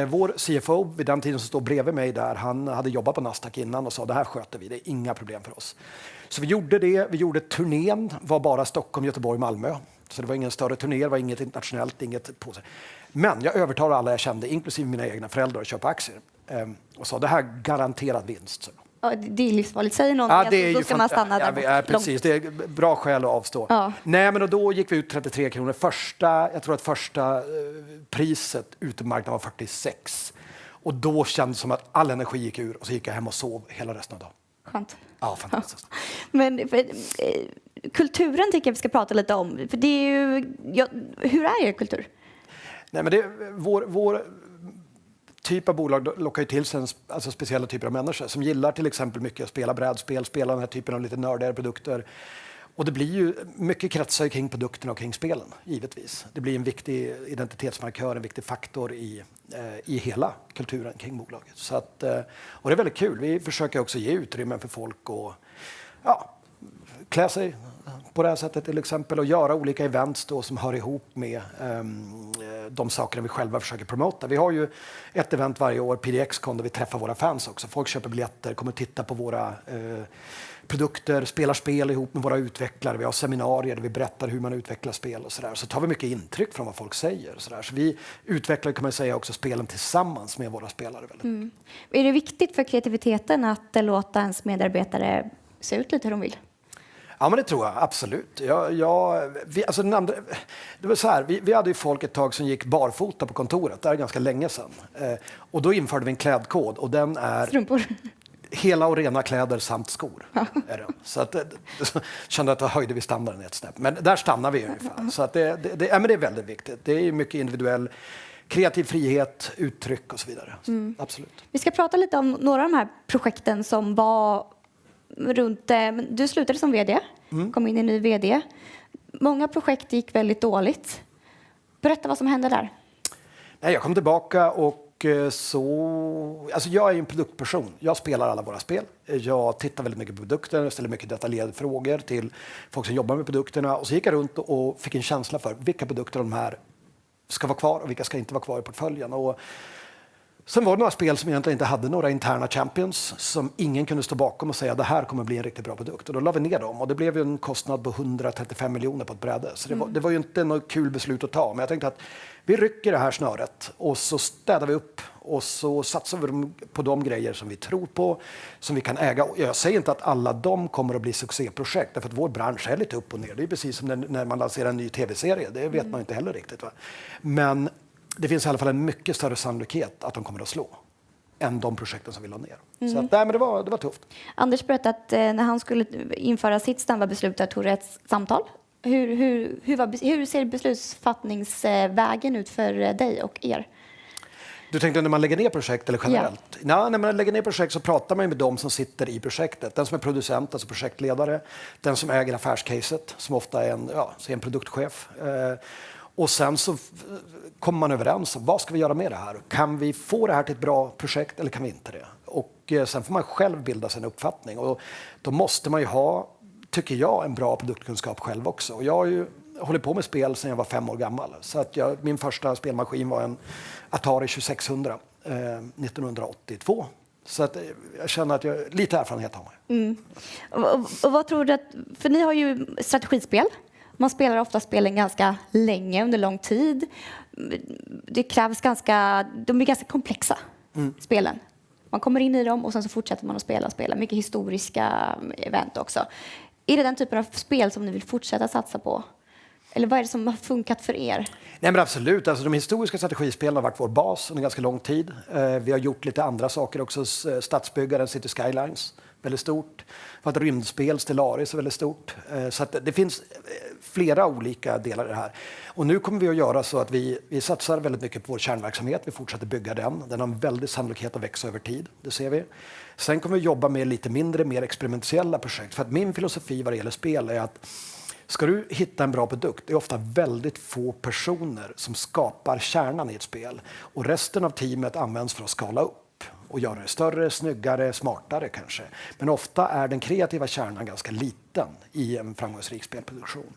Vår CFO vid den tiden som står bredvid mig där, han hade jobbat på Nasdaq innan och sa: "Det här sköter vi, det är inga problem för oss". Vi gjorde det. Vi gjorde turnén, var bara Stockholm, Göteborg, Malmö. Det var ingen större turné, det var inget internationellt, inget på. Jag övertar alla jag kände, inklusive mina egna föräldrar, att köpa aktier. Sa: "Det här garanterad vinst", sa jag. Ja, det är livsfarligt. Säger någon det, då ska man stanna där borta. Precis, det är ett bra skäl att avstå. Ja. Då gick vi ut 33 SEK. Första, jag tror att första priset ute på marknaden var 46 SEK. Då kändes det som att all energi gick ur och så gick jag hem och sov hela resten av dagen. Skönt. Ja, fantastiskt. Kulturen tycker jag vi ska prata lite om. Det är ju, hur är er kultur? Vår, vår typ av bolag lockar ju till sig en speciell typ av människa som gillar till exempel mycket att spela brädspel, spela den här typen av lite nördigare produkter. Det blir ju, mycket kretsar ju kring produkterna och kring spelen givetvis. Det blir en viktig identitetsmarkör, en viktig faktor i hela kulturen kring bolaget. Det är väldigt kul. Vi försöker också ge utrymme för folk att, ja, klä sig på det här sättet till exempel och göra olika events då som hör ihop med de sakerna vi själva försöker promota. Vi har ju ett event varje år, PDXCON, då vi träffar våra fans också. Folk köper biljetter, kommer titta på våra produkter, spelar spel ihop med våra utvecklare. Vi har seminarier där vi berättar hur man utvecklar spel och sådär. Tar vi mycket intryck från vad folk säger och sådär. Vi utvecklar kan man säga också spelen tillsammans med våra spelare väldigt mycket. Är det viktigt för kreativiteten att låta ens medarbetare se ut lite hur de vill? Ja, det tror jag absolut. Jag, alltså du nämnde, det var såhär, vi hade ju folk ett tag som gick barfota på kontoret. Det här är ganska länge sedan. Införde vi en klädkod och den är. Strumpor. Hela och rena kläder samt skor, är den. Jag kände att då höjde vi standarden ett snäpp. Där stannar vi ungefär. Det, nej men det är väldigt viktigt. Det är ju mycket individuell kreativ frihet, uttryck och så vidare. Absolut. Vi ska prata lite om några av de här projekten som var runt det. Du slutade som vd, kom in en ny vd. Många projekt gick väldigt dåligt. Berätta vad som hände där. Nej, jag kom tillbaka. Alltså jag är ju en produktperson. Jag spelar alla våra spel. Jag tittar väldigt mycket på produkten, jag ställer mycket detaljerade frågor till folk som jobbar med produkterna. Gick jag runt och fick en känsla för vilka produkter av de här ska vara kvar och vilka ska inte vara kvar i portföljen. Det var några spel som egentligen inte hade några interna champions som ingen kunde stå bakom och säga: "Det här kommer bli en riktigt bra produkt." Då la vi ner dem och det blev en kostnad på SEK 135 million på ett bräde. Det var ju inte något kul beslut att ta. Jag tänkte att vi rycker det här snöret och så städar vi upp och så satsar vi på de grejer som vi tror på, som vi kan äga. Jag säger inte att alla de kommer att bli succéprojekt därför att vår bransch är lite upp och ner. Det är precis som när man lanserar en ny tv-serie. Det vet man inte heller riktigt va. Det finns i alla fall en mycket större sannolikhet att de kommer att slå än de projekten som vi la ner. Nej, men det var tufft. Anders berättade att när han skulle införa sitt standardbeslut, det tog rättssamtal. Hur ser beslutsfattningsvägen ut för dig och er? Du tänkte när man lägger ner projekt eller generellt? Ja. När man lägger ner projekt så pratar man ju med dem som sitter i projektet. Den som är producent, alltså projektledare, den som äger affärscaset, som ofta är en produktchef. Sen så kommer man överens om vad ska vi göra med det här? Kan vi få det här till ett bra projekt eller kan vi inte det? Sen får man själv bilda sig en uppfattning. Då måste man ju ha, tycker jag, en bra produktkunskap själv också. Jag har ju hållit på med spel sedan jag var 5 år gammal. Så att min första spelmaskin var en Atari 2600 1982. Så att jag känner att lite erfarenhet har jag. Mm. Vad tror du att, för ni har ju strategispel. Man spelar ofta spelen ganska länge, under lång tid. De är ganska komplexa, spelen. Man kommer in i dem och sen så fortsätter man att spela och spela. Mycket historiska event också. Är det den typen av spel som ni vill fortsätta satsa på? Eller vad är det som har funkat för er? Absolut. Alltså de historiska strategispelen har varit vår bas under ganska lång tid. Vi har gjort lite andra saker också. Stadsbyggaren Cities: Skylines, väldigt stort. Vi har ett rymdspel, Stellaris, väldigt stort. Det finns flera olika delar i det här. Nu kommer vi att göra så att vi satsar väldigt mycket på vår kärnverksamhet. Vi fortsätter bygga den. Den har en väldig sannolikhet att växa över tid. Det ser vi. Kommer vi att jobba med lite mindre, mer experimentiella projekt. Min filosofi vad det gäller spel är att ska du hitta en bra produkt, det är ofta väldigt få personer som skapar kärnan i ett spel och resten av teamet används för att skala upp och göra det större, snyggare, smartare kanske. Ofta är den kreativa kärnan ganska liten i en framgångsrik spelproduktion.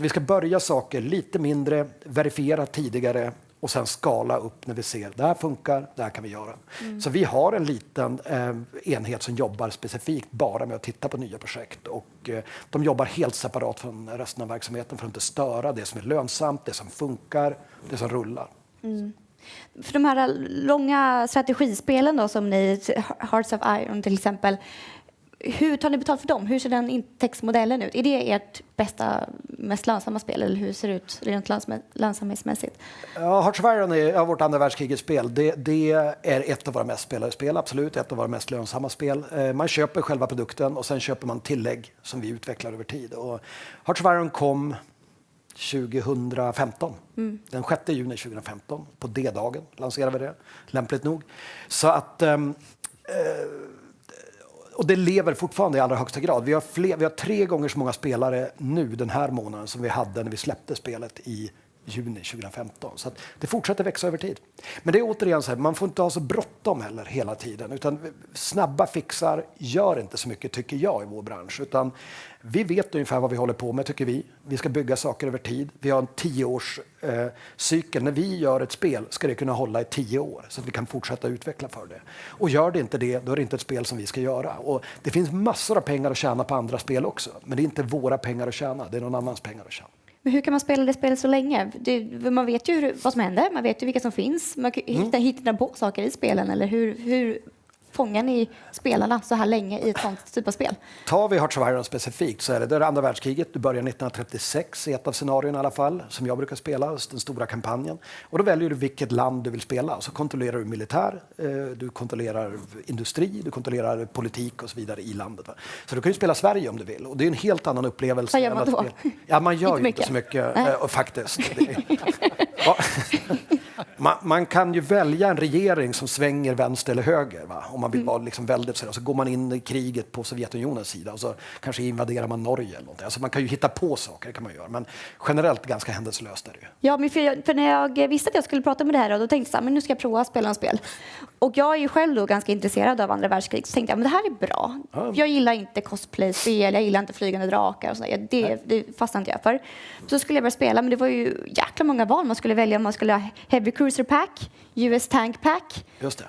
Vi ska börja saker lite mindre, verifiera tidigare och sen skala upp när vi ser det här funkar, det här kan vi göra. Vi har en liten enhet som jobbar specifikt bara med att titta på nya projekt och de jobbar helt separat från resten av verksamheten för att inte störa det som är lönsamt, det som funkar, det som rullar. För de här långa strategispelen då som ni, Hearts of Iron till exempel, hur tar ni betalt för dem? Hur ser den intäktsmodellen ut? Är det ert bästa, mest lönsamma spel? Eller hur ser det ut rent lönsamhetsmässigt? Hearts of Iron är vårt andra världskrigsspel. Det är ett av våra mest spelade spel, absolut ett av våra mest lönsamma spel. Man köper själva produkten sen köper man tillägg som vi utvecklar över tid. Hearts of Iron 6 juni 2015. På D-dagen lanserade vi det lämpligt nog. Det lever fortfarande i allra högsta grad. Vi har 3 gånger så många spelare nu den här månaden som vi hade när vi släppte spelet i juni 2015. Det fortsätter växa över tid. Det är återigen såhär, man får inte ha så bråttom heller hela tiden, utan snabba fixar gör inte så mycket tycker jag i vår bransch. Vi vet ungefär vad vi håller på med tycker vi. Vi ska bygga saker över tid. Vi har en 10 års cykel. När vi gör ett spel ska det kunna hålla i 10 år så att vi kan fortsätta utveckla för det. Gör det inte det, då är det inte ett spel som vi ska göra. Det finns massor av pengar att tjäna på andra spel också, men det är inte våra pengar att tjäna. Det är någon annans pengar att tjäna. Hur kan man spela det spelet så länge? Man vet ju vad som händer. Man vet ju vilka som finns. Man hittar på saker i spelen. Hur fångar ni spelarna såhär länge i ett sånt typ av spel? Tar vi Hearts of Iron specifikt så är det andra världskriget. Du börjar 1936 i ett av scenarierna i alla fall som jag brukar spela, den stora kampanjen. Då väljer du vilket land du vill spela. Kontrollerar du militär, du kontrollerar industri, du kontrollerar politik och så vidare i landet. Du kan spela Sverige om du vill. Det är en helt annan upplevelse. Vad gör man då? Man gör inte så mycket faktiskt. Man kan ju välja en regering som svänger vänster eller höger, va, om man vill vara liksom väldigt såhär. Går man in i kriget på Soviet Union's sida och så kanske invaderar man Norway eller nånting. Man kan ju hitta på saker kan man göra, men generellt ganska händelselöst är det ju. För när jag visste att jag skulle prata med dig här och då tänkte jag såhär, men nu ska jag prova att spela en spel. Jag är ju själv då ganska intresserad av andra världskriget. Tänkte jag, men det här är bra. Jag gillar inte cosplay-spel, jag gillar inte flygande drakar och sådär. Det fastnar inte jag för. Skulle jag börja spela, men det var ju jäkla många val man skulle välja om man skulle ha Heavy Cruiser Pack, US Tank Pack,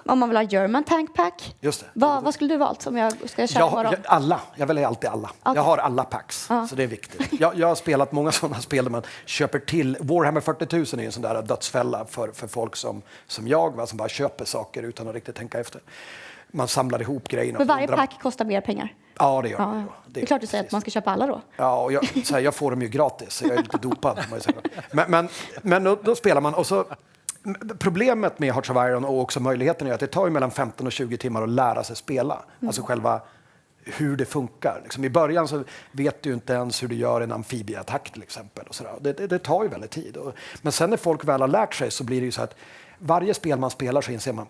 om man vill ha German Tank Pack. Vad skulle du valt om jag ska köra bara? Alla, jag väljer alltid alla. Jag har alla packs. Det är viktigt. Jag har spelat många sådana spel där man köper till. Warhammer 40,000 är ju en sån där dödsfälla för folk som jag va, som bara köper saker utan att riktigt tänka efter. Man samlar ihop grejer. För varje pack kostar mer pengar. Ja, det gör det. Det är klart du säger att man ska köpa alla då. Ja, jag får dem ju gratis. Jag är lite dopad. Då spelar man. Problemet med Hearts of Iron och också möjligheten är att det tar ju mellan 15 och 20 timmar att lära sig spela. Alltså själva hur det funkar. I början så vet du inte ens hur du gör en amfibieattack till exempel och sådär. Det tar ju väldigt tid. Sen när folk väl har lärt sig så blir det ju så att varje spel man spelar så inser man: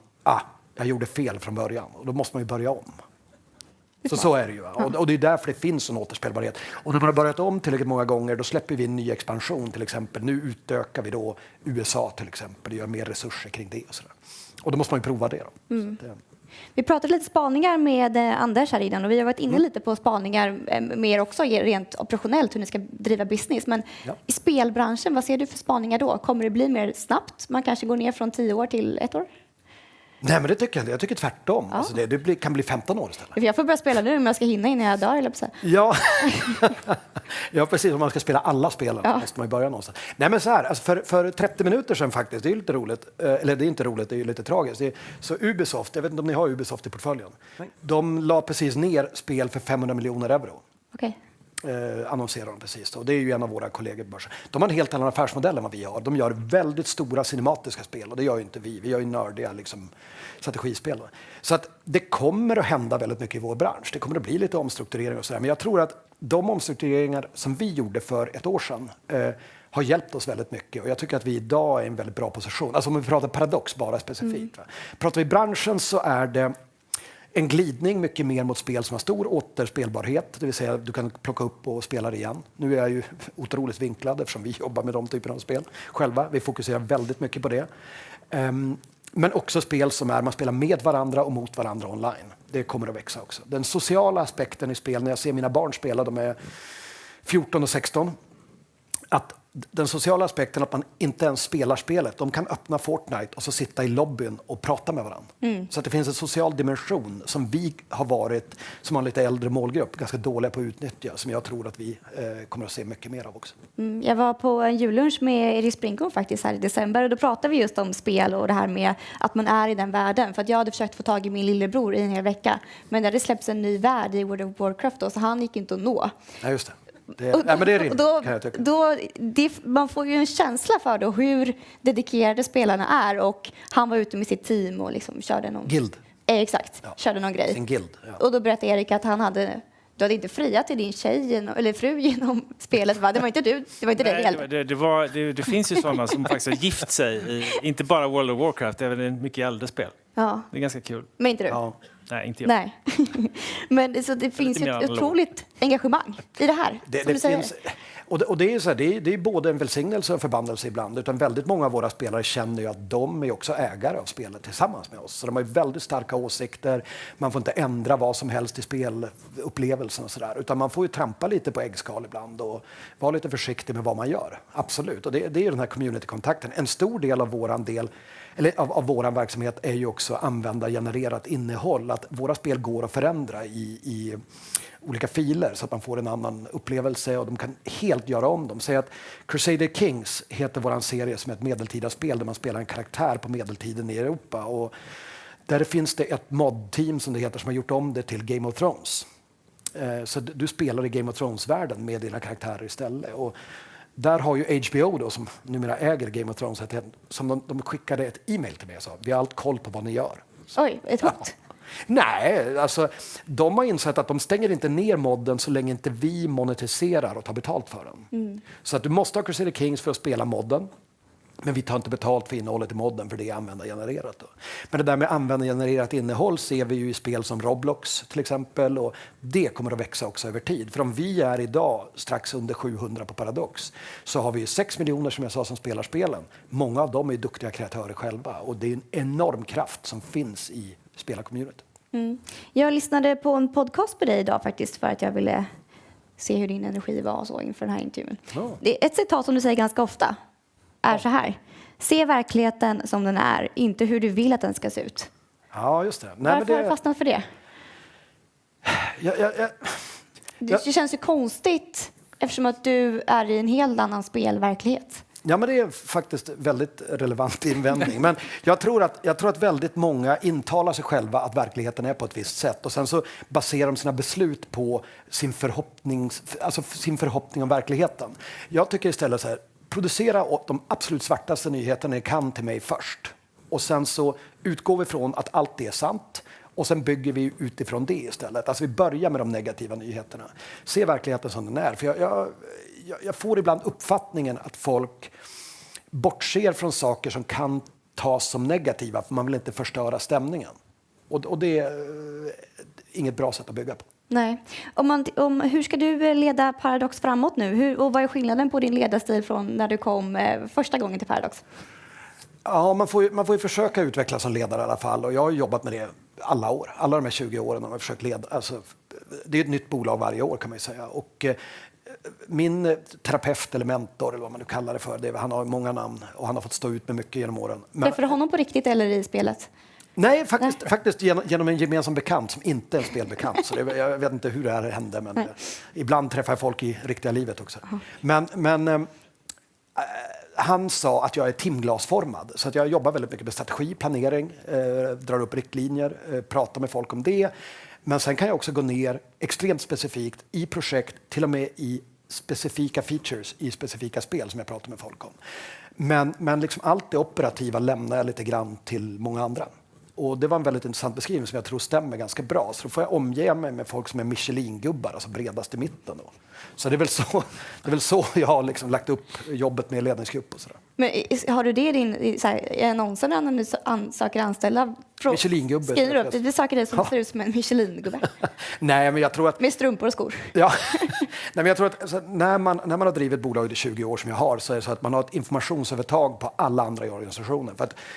"Jag gjorde fel från början" och då måste man ju börja om. Är det ju. Det är därför det finns en återspelbarhet. När man har börjat om tillräckligt många gånger, då släpper vi en ny expansion. Till exempel, nu utökar vi då USA till exempel. Vi har mer resurser kring det och sådär. Då måste man ju prova det då. Vi pratade lite spaningar med Anders här innan och vi har varit inne lite på spaningar med er också rent operationellt, hur ni ska driva business. I spelbranschen, vad ser du för spaningar då? Kommer det bli mer snabbt? Man kanske går ner från 10 år till 1 år. Nej, men det tycker jag inte. Jag tycker tvärtom. Det kan bli 15 år istället. Jag får börja spela nu om jag ska hinna innan jag dör, höll jag på att säga. Ja, precis. Om man ska spela alla spelen måste man ju börja någonstans. Nej, såhär. För 30 minuter sen faktiskt, det är lite roligt. Det är inte roligt, det är ju lite tragiskt. Ubisoft, jag vet inte om ni har Ubisoft i portföljen- Nej De la precis ner spel för EUR 500 million. Okej Annonserade de precis då. Det är ju en av våra kollegor på börsen. De har en helt annan affärsmodell än vad vi har. De gör väldigt stora cinematiska spel och det gör ju inte vi. Vi gör ju nördiga liksom strategispel. Det kommer att hända väldigt mycket i vår bransch. Det kommer att bli lite omstrukturering och sådär. Jag tror att de omstruktureringar som vi gjorde för ett år sen har hjälpt oss väldigt mycket. Jag tycker att vi i dag är en väldigt bra position. Alltså om vi pratar Paradox bara specifikt va. Pratar vi branschen så är det en glidning mycket mer mot spel som har stor återspelbarhet, det vill säga du kan plocka upp och spela det igen. Nu är jag ju otroligt vinklad eftersom vi jobbar med de typen av spel själva. Vi fokuserar väldigt mycket på det. Också spel som är, man spelar med varandra och mot varandra online. Det kommer att växa också. Den sociala aspekten i spel, när jag ser mina barn spela, de är 14 and 16, att den sociala aspekten, att man inte ens spelar spelet. De kan öppna Fortnite och så sitta i lobbyn och prata med varandra. Det finns en social dimension som vi har varit, som har en lite äldre målgrupp, ganska dåliga på att utnyttja, som jag tror att vi kommer att se mycket mer av också. Jag var på en jullunch med Erik Sprinchorn faktiskt här i december och då pratade vi just om spel och det här med att man är i den världen. Jag hade försökt få tag i min lillebror i en hel vecka, men det hade släppts en ny värld i World of Warcraft då, så han gick inte att nå. Nej, just det. Nej, men det är rimligt kan jag tycka. Man får ju en känsla för då hur dedikerade spelarna är och han var ute med sitt team och liksom körde. Gild Exakt, körde någon grej. Sin gild, ja. Då berättade Erik att han hade, du hade inte friat till din tjej eller fru genom spelet. Det var inte du, det var inte dig heller. Det finns ju sådana som faktiskt har gift sig, inte bara i World of Warcraft, även i mycket äldre spel. Det är ganska kul. Inte du? Nej, inte jag. Nej, det finns ett otroligt engagemang i det här. Det är såhär, det är både en välsignelse och en förbannelse ibland. Väldigt många av våra spelare känner ju att de är också ägare av spelet tillsammans med oss. De har ju väldigt starka åsikter. Man får inte ändra vad som helst i spelupplevelsen och sådär. Man får ju trampa lite på äggskal ibland och vara lite försiktig med vad man gör. Absolut. Det är ju den här community-kontakten. En stor del av våran verksamhet är ju också användargenererat innehåll. Att våra spel går att förändra i olika filer så att man får en annan upplevelse och de kan helt göra om dem. Säg att Crusader Kings heter vår serie som är ett medeltida spel där man spelar en karaktär på medeltiden i Europa. Där finns det ett mod team som det heter som har gjort om det till Game of Thrones. Du spelar i Game of Thrones-världen med dina karaktärer istället. Där har ju HBO då som numera äger Game of Thrones, som de skickade ett email till mig och sa: Vi har allt koll på vad ni gör. Oj, ett hot? Nej, alltså de har insett att de stänger inte ner modden så länge inte vi monetize och tar betalt för den. Du måste ha Crusader Kings för att spela modden. Vi tar inte betalt för innehållet i modden för det är user-generated då. Det där med user-generated innehåll ser vi ju i spel som Roblox till exempel och det kommer att växa också över tid. Om vi är i dag strax under 700 på Paradox, så har vi 6 million som jag sa som spelar spelen. Många av dem är duktiga kreatörer själva och det är en enorm kraft som finns i spelarcommunityt. Jag lyssnade på en podcast på dig i dag faktiskt för att jag ville se hur din energi var och så inför den här intervjun. Det är ett citat som du säger ganska ofta är såhär: Se verkligheten som den är, inte hur du vill att den ska se ut. Ja just det. Varför har du fastnat för det? Det känns ju konstigt eftersom att du är i en helt annan spelverklighet. Det är faktiskt väldigt relevant invändning. Jag tror att väldigt många intalar sig själva att verkligheten är på ett visst sätt. Sen så baserar de sina beslut på sin förhoppnings, alltså sin förhoppning om verkligheten. Jag tycker istället såhär, producera de absolut svartaste nyheterna ni kan till mig först. Sen så utgår vi från att allt det är sant och sen bygger vi utifrån det istället. Alltså vi börjar med de negativa nyheterna. Se verkligheten som den är. Jag får ibland uppfattningen att folk bortser från saker som kan tas som negativa för man vill inte förstöra stämningen och det är inget bra sätt att bygga på. Nej. Hur ska du leda Paradox framåt nu? Vad är skillnaden på din ledarstil från när du kom första gången till Paradox? Ja, man får ju försöka utveckla som ledare i alla fall. Jag har jobbat med det alla år. Alla de här 20 åren har man försökt leda. Alltså, det är ett nytt bolag varje år kan man ju säga. Min terapeut eller mentor eller vad man nu kallar det för, han har många namn och han har fått stå ut med mycket genom åren. Träffar du honom på riktigt eller i spelet? Nej, faktiskt genom en gemensam bekant som inte är en spelbekant. Det, jag vet inte hur det här hände, men ibland träffar jag folk i riktiga livet också. Men han sa att jag är timglasformad. Att jag jobbar väldigt mycket med strategi, planering, drar upp riktlinjer, pratar med folk om det. Men sen kan jag också gå ner extremt specifikt i projekt, till och med i specifika features i specifika spel som jag pratar med folk om. Men liksom allt det operativa lämnar jag lite grann till många andra. Det var en väldigt intressant beskrivning som jag tror stämmer ganska bra. Får jag omge mig med folk som är michelingubbar, alltså bredast i mitten då. Det är väl så, det är väl så jag har liksom lagt upp jobbet med ledningsgrupp och sådär. har du det i din annonsen när du ansöker anställda? Michelingubbe. Skriver du upp, vi söker dig som ser ut som en michelingubbe? Nej, jag tror... Med strumpor och skor. Nej men jag tror att när man, när man har drivit bolag i 20 år som jag har, så är det så att man har ett informationsövertag på alla andra i organisationen.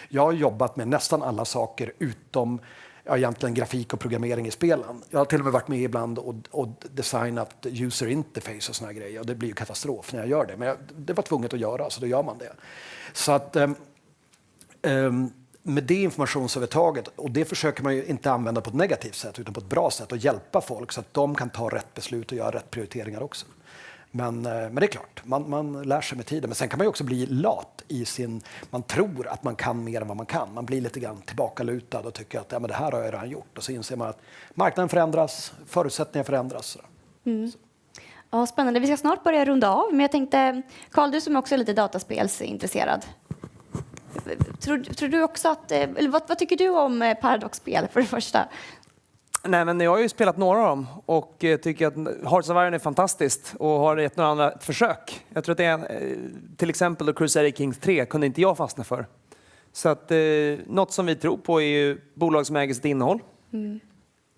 Jag har jobbat med nästan alla saker utom egentligen grafik och programmering i spelen. Jag har till och med varit med ibland och designat user interface och sådana här grejer och det blir ju katastrof när jag gör det. Det var tvunget att göra, så då gör man det. Med det informationsövertaget, och det försöker man ju inte använda på ett negativt sätt, utan på ett bra sätt och hjälpa folk så att de kan ta rätt beslut och göra rätt prioriteringar också. Det är klart, man lär sig med tiden. Sen kan man ju också bli lat i sin, man tror att man kan mer än vad man kan. Man blir lite grann tillbakalutad och tycker att det här har jag redan gjort. Så inser man att marknaden förändras, förutsättningarna förändras. Ja, spännande. Vi ska snart börja runda av, men jag tänkte Carl, du som också är lite dataspelsintresserad, tror du också att, eller vad tycker du om Paradox-spel för det första? Nej, jag har ju spelat några av dem och tycker att Hearts of Iron är fantastiskt och har gett det några andra försök. Jag tror att det är till exempel Crusader Kings III kunde inte jag fastna för. Något som vi tror på är ju bolag som äger sitt innehåll,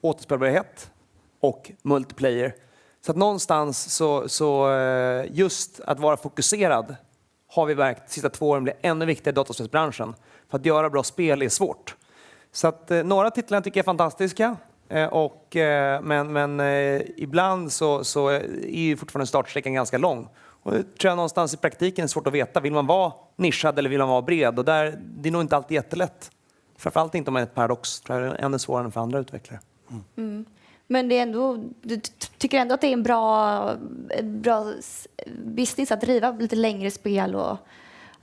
återspelbarhet och multiplayer. Någonstans, just att vara fokuserad har vi märkt sista two åren blir ännu viktigare i dataspelsbranschen. Att göra bra spel är svårt. Några titlar tycker jag är fantastiska och, men ibland så är ju fortfarande startsträckan ganska lång. Nu tror jag någonstans i praktiken är svårt att veta. Vill man vara nischad eller vill man vara bred? Där, det är nog inte alltid jättelätt. Framför allt inte om man är ett Paradox tror jag är ännu svårare än för andra utvecklare. det är ändå, tycker du ändå att det är en bra business att driva lite längre spel och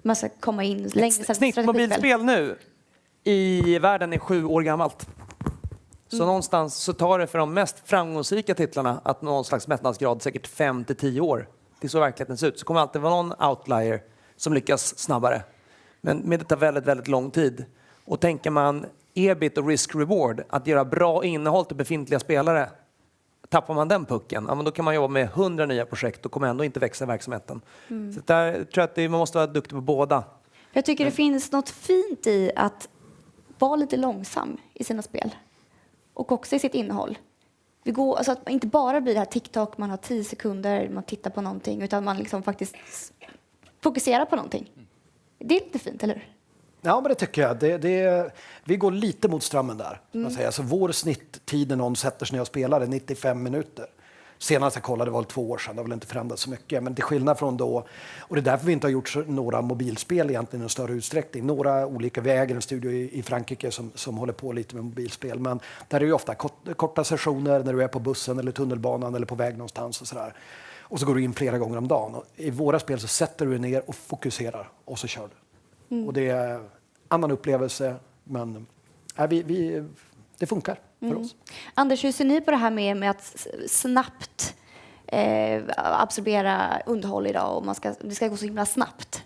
massa komma in längre? Ett snitt mobilspel nu i världen är sju år gammalt. Någonstans så tar det för de mest framgångsrika titlarna att nå någon slags mättnadsgrad säkert 5-10 år. Det är så verkligheten ser ut. Det kommer alltid vara någon outlier som lyckas snabbare. Men det tar väldigt lång tid. Tänker man EBIT och risk reward, att göra bra innehåll till befintliga spelare. Tappar man den pucken, ja men då kan man jobba med 100 nya projekt. Då kommer ändå inte växa verksamheten. Där tror jag att man måste vara duktig på båda. Jag tycker det finns något fint i att vara lite långsam i sina spel och också i sitt innehåll. Det går, alltså att inte bara blir det här TikTok, man har 10 sekunder, man tittar på någonting, utan man liksom faktiskt fokuserar på någonting. Det är inte fint, eller hur? Det tycker jag. Det, vi går lite mot strömmen där. Vår snittid när någon sätter sig ner och spelar är 95 minuter. Senast jag kollade var det 2 år sedan. Det har väl inte förändrats så mycket. Till skillnad från då, och det är därför vi inte har gjort några mobilspel egentligen i någon större utsträckning. Några olika vägar, en studio i Frankrike som håller på lite med mobilspel. Men där är ju ofta korta sessioner när du är på bussen eller tunnelbanan eller på väg någonstans och sådär. Så går du in flera gånger om dagen. I våra spel så sätter du dig ner och fokuserar och så kör du. Det är annan upplevelse, men nej vi, det funkar för oss. Anders, hur ser ni på det här med att snabbt absorbera underhåll i dag? Det ska gå så himla snabbt.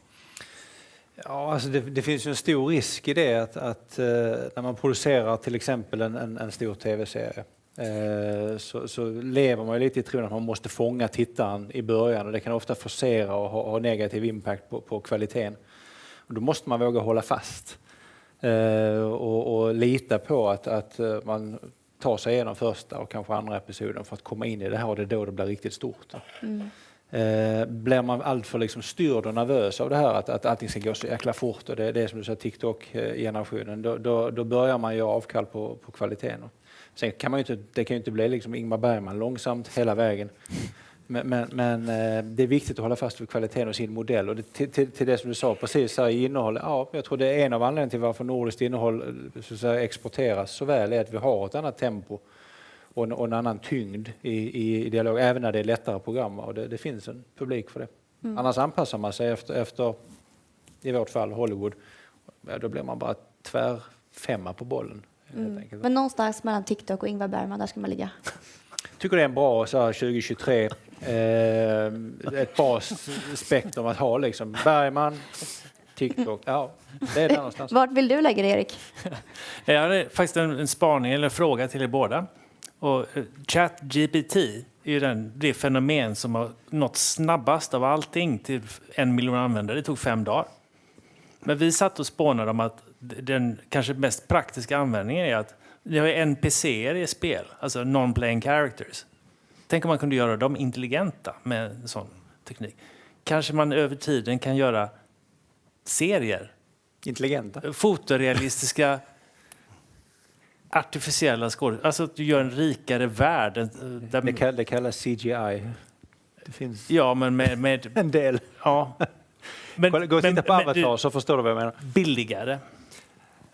Ja alltså det finns ju en stor risk i det att när man producerar till exempel en stor tv-serie, så lever man ju lite i tron att man måste fånga tittaren i början. Det kan ofta forcera och ha negativ impact på kvaliteten. Då måste man våga hålla fast. Lita på att man tar sig igenom första och kanske andra episoden för att komma in i det här. Det är då det blir riktigt stort. Blir man alltför styrd och nervös av det här att allting ska gå så jäkla fort och det är som du säger TikTok generation, då börjar man göra avkall på kvalitén. Kan man ju inte, det kan ju inte bli Ingmar Bergman långsamt hela vägen. Men det är viktigt att hålla fast vid kvalitén och sin modell. Till det som du sa precis här i innehållet. Ja, jag tror det är en av anledningarna till varför nordiskt innehåll så att säga exporteras så väl är att vi har ett annat tempo och en annan tyngd i dialog, även när det är lättare program. Det finns en publik för det. Annars anpassar man sig efter i vårt fall Hollywood. blir man bara tvärfemma på bollen. Någonstans mellan Tiktok och Ingmar Bergman, där ska man ligga. Tycker du det är en bra såhär 2023, ett bra spektrum att ha liksom Bergman, TikTok, ja? Var vill du lägga det, Erik? Jag har faktiskt en spaning eller en fråga till er båda. ChatGPT är ju den, det fenomen som har nått snabbast av allting till 1 million användare. Det tog 5 dagar. Vi satt och spånade om att den kanske mest praktiska användningen är att ni har NPC:er i spel, alltså non-playing characters. Tänk om man kunde göra dem intelligenta med en sån teknik. Kanske man över tiden kan göra serier. Intelligenta? Fotorealistiska artificiella skåde, alltså att du gör en rikare värld. Det kallas CGI. Ja, med En del, ja. Gå och titta på Avatar så förstår du vad jag menar. Billigare.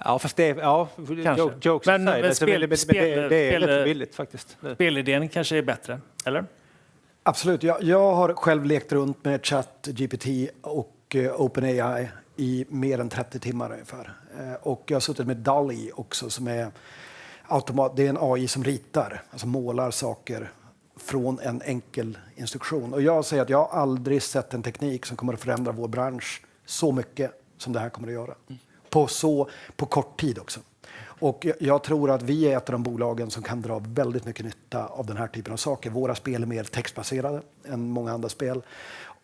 Ja, fast det, ja. Det är också billigt faktiskt. Spelidén kanske är bättre. Eller? Absolut. Jag har själv lekt runt med ChatGPT och OpenAI i mer än 30 timmar ungefär. Jag har suttit med DALL-E också som är automat, det är en AI som ritar, alltså målar saker från en enkel instruktion. Jag säger att jag har aldrig sett en teknik som kommer att förändra vår bransch så mycket som det här kommer att göra. På kort tid också. Jag tror att vi är ett av de bolagen som kan dra väldigt mycket nytta av den här typ av saker. Våra spel är mer textbaserade än många andra spel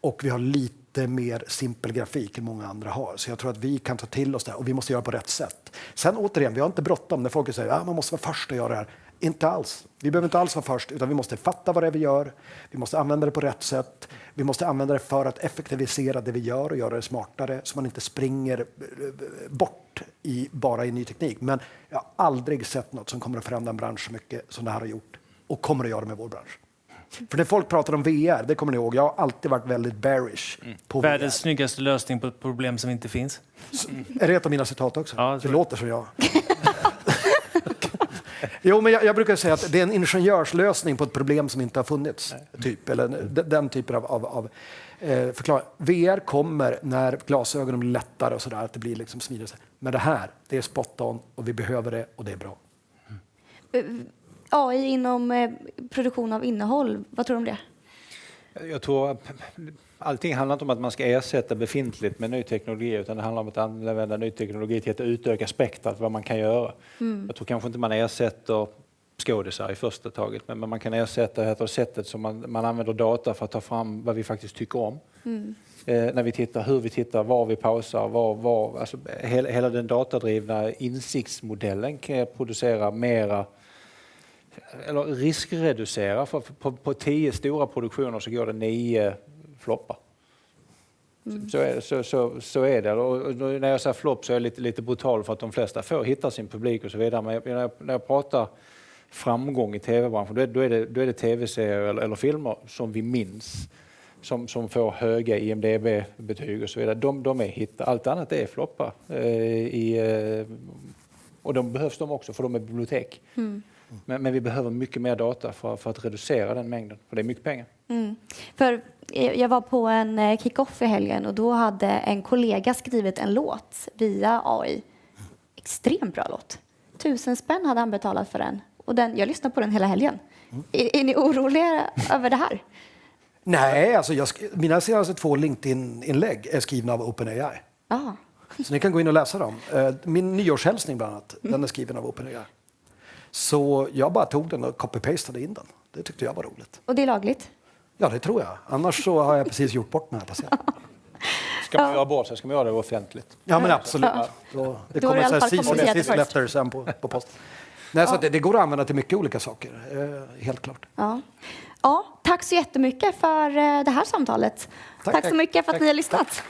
och vi har lite mer simpel grafik än många andra har. Jag tror att vi kan ta till oss det här och vi måste göra på rätt sätt. Återigen, vi har inte bråttom när folk säger: Ja, man måste vara först att göra det här. Inte alls. Vi behöver inte alls vara först, utan vi måste fatta vad det är vi gör. Vi måste använda det på rätt sätt. Vi måste använda det för att effektivisera det vi gör och göra det smartare så man inte springer bort i bara i ny teknik. Jag har aldrig sett något som kommer att förändra en bransch så mycket som det här har gjort och kommer att göra med vår bransch. När folk pratar om VR, det kommer ni ihåg, jag har alltid varit väldigt bearish på VR. Världens snyggaste lösning på ett problem som inte finns. Är det ett av mina citat också? Det låter som jag. Jag brukar säga att det är en ingenjörslösning på ett problem som inte har funnits, typ. Den typen av förklaring. VR kommer när glasögonen blir lättare och sådär, att det blir liksom smidigare. Det här, det är spot on och vi behöver det och det är bra. AI inom produktion av innehåll, vad tror du om det? Jag tror allting handlar inte om att man ska ersätta befintligt med ny teknologi, utan det handlar om att använda ny teknologi till ett utökat spektra till vad man kan göra. Jag tror kanske inte man ersätter skådisar i första taget, men man kan ersätta sättet som man använder data för att ta fram vad vi faktiskt tycker om. När vi tittar, hur vi tittar, var vi pausar, var. Hela den datadrivna insiktsmodellen kan producera mera eller riskreducera. På 10 stora produktioner så går det 9 floppar. Är det. När jag säger flopp så är jag lite brutal för att de flesta får hitta sin publik och så vidare. När jag pratar framgång i tv-branschen, då är det tv-serier eller filmer som vi minns, som får höga IMDb-betyg och så vidare. De hittar, allt annat är floppar. De behövs de också för de är bibliotek. Vi behöver mycket mer data för att reducera den mängden och det är mycket pengar. Jag var på en kickoff i helgen och då hade en kollega skrivit en låt via AI. Extremt bra låt. SEK 1,000 hade han betalat för den och den, jag lyssnade på den hela helgen. Är ni oroliga över det här? Nej, alltså jag, mina senaste 2 LinkedIn-inlägg är skrivna av OpenAI. Ni kan gå in och läsa dem. Min nyårshälsning bland annat, den är skriven av OpenAI. Jag bara tog den och copy pastade in den. Det tyckte jag var roligt. Det är lagligt? Ja, det tror jag. Annars så har jag precis gjort bort mig här på scen. Ska man göra båda så ska man göra det offentligt. Absolut. Det går att använda till mycket olika saker. Helt klart. Tack så jättemycket för det här samtalet. Tack så mycket för att ni har lyssnat.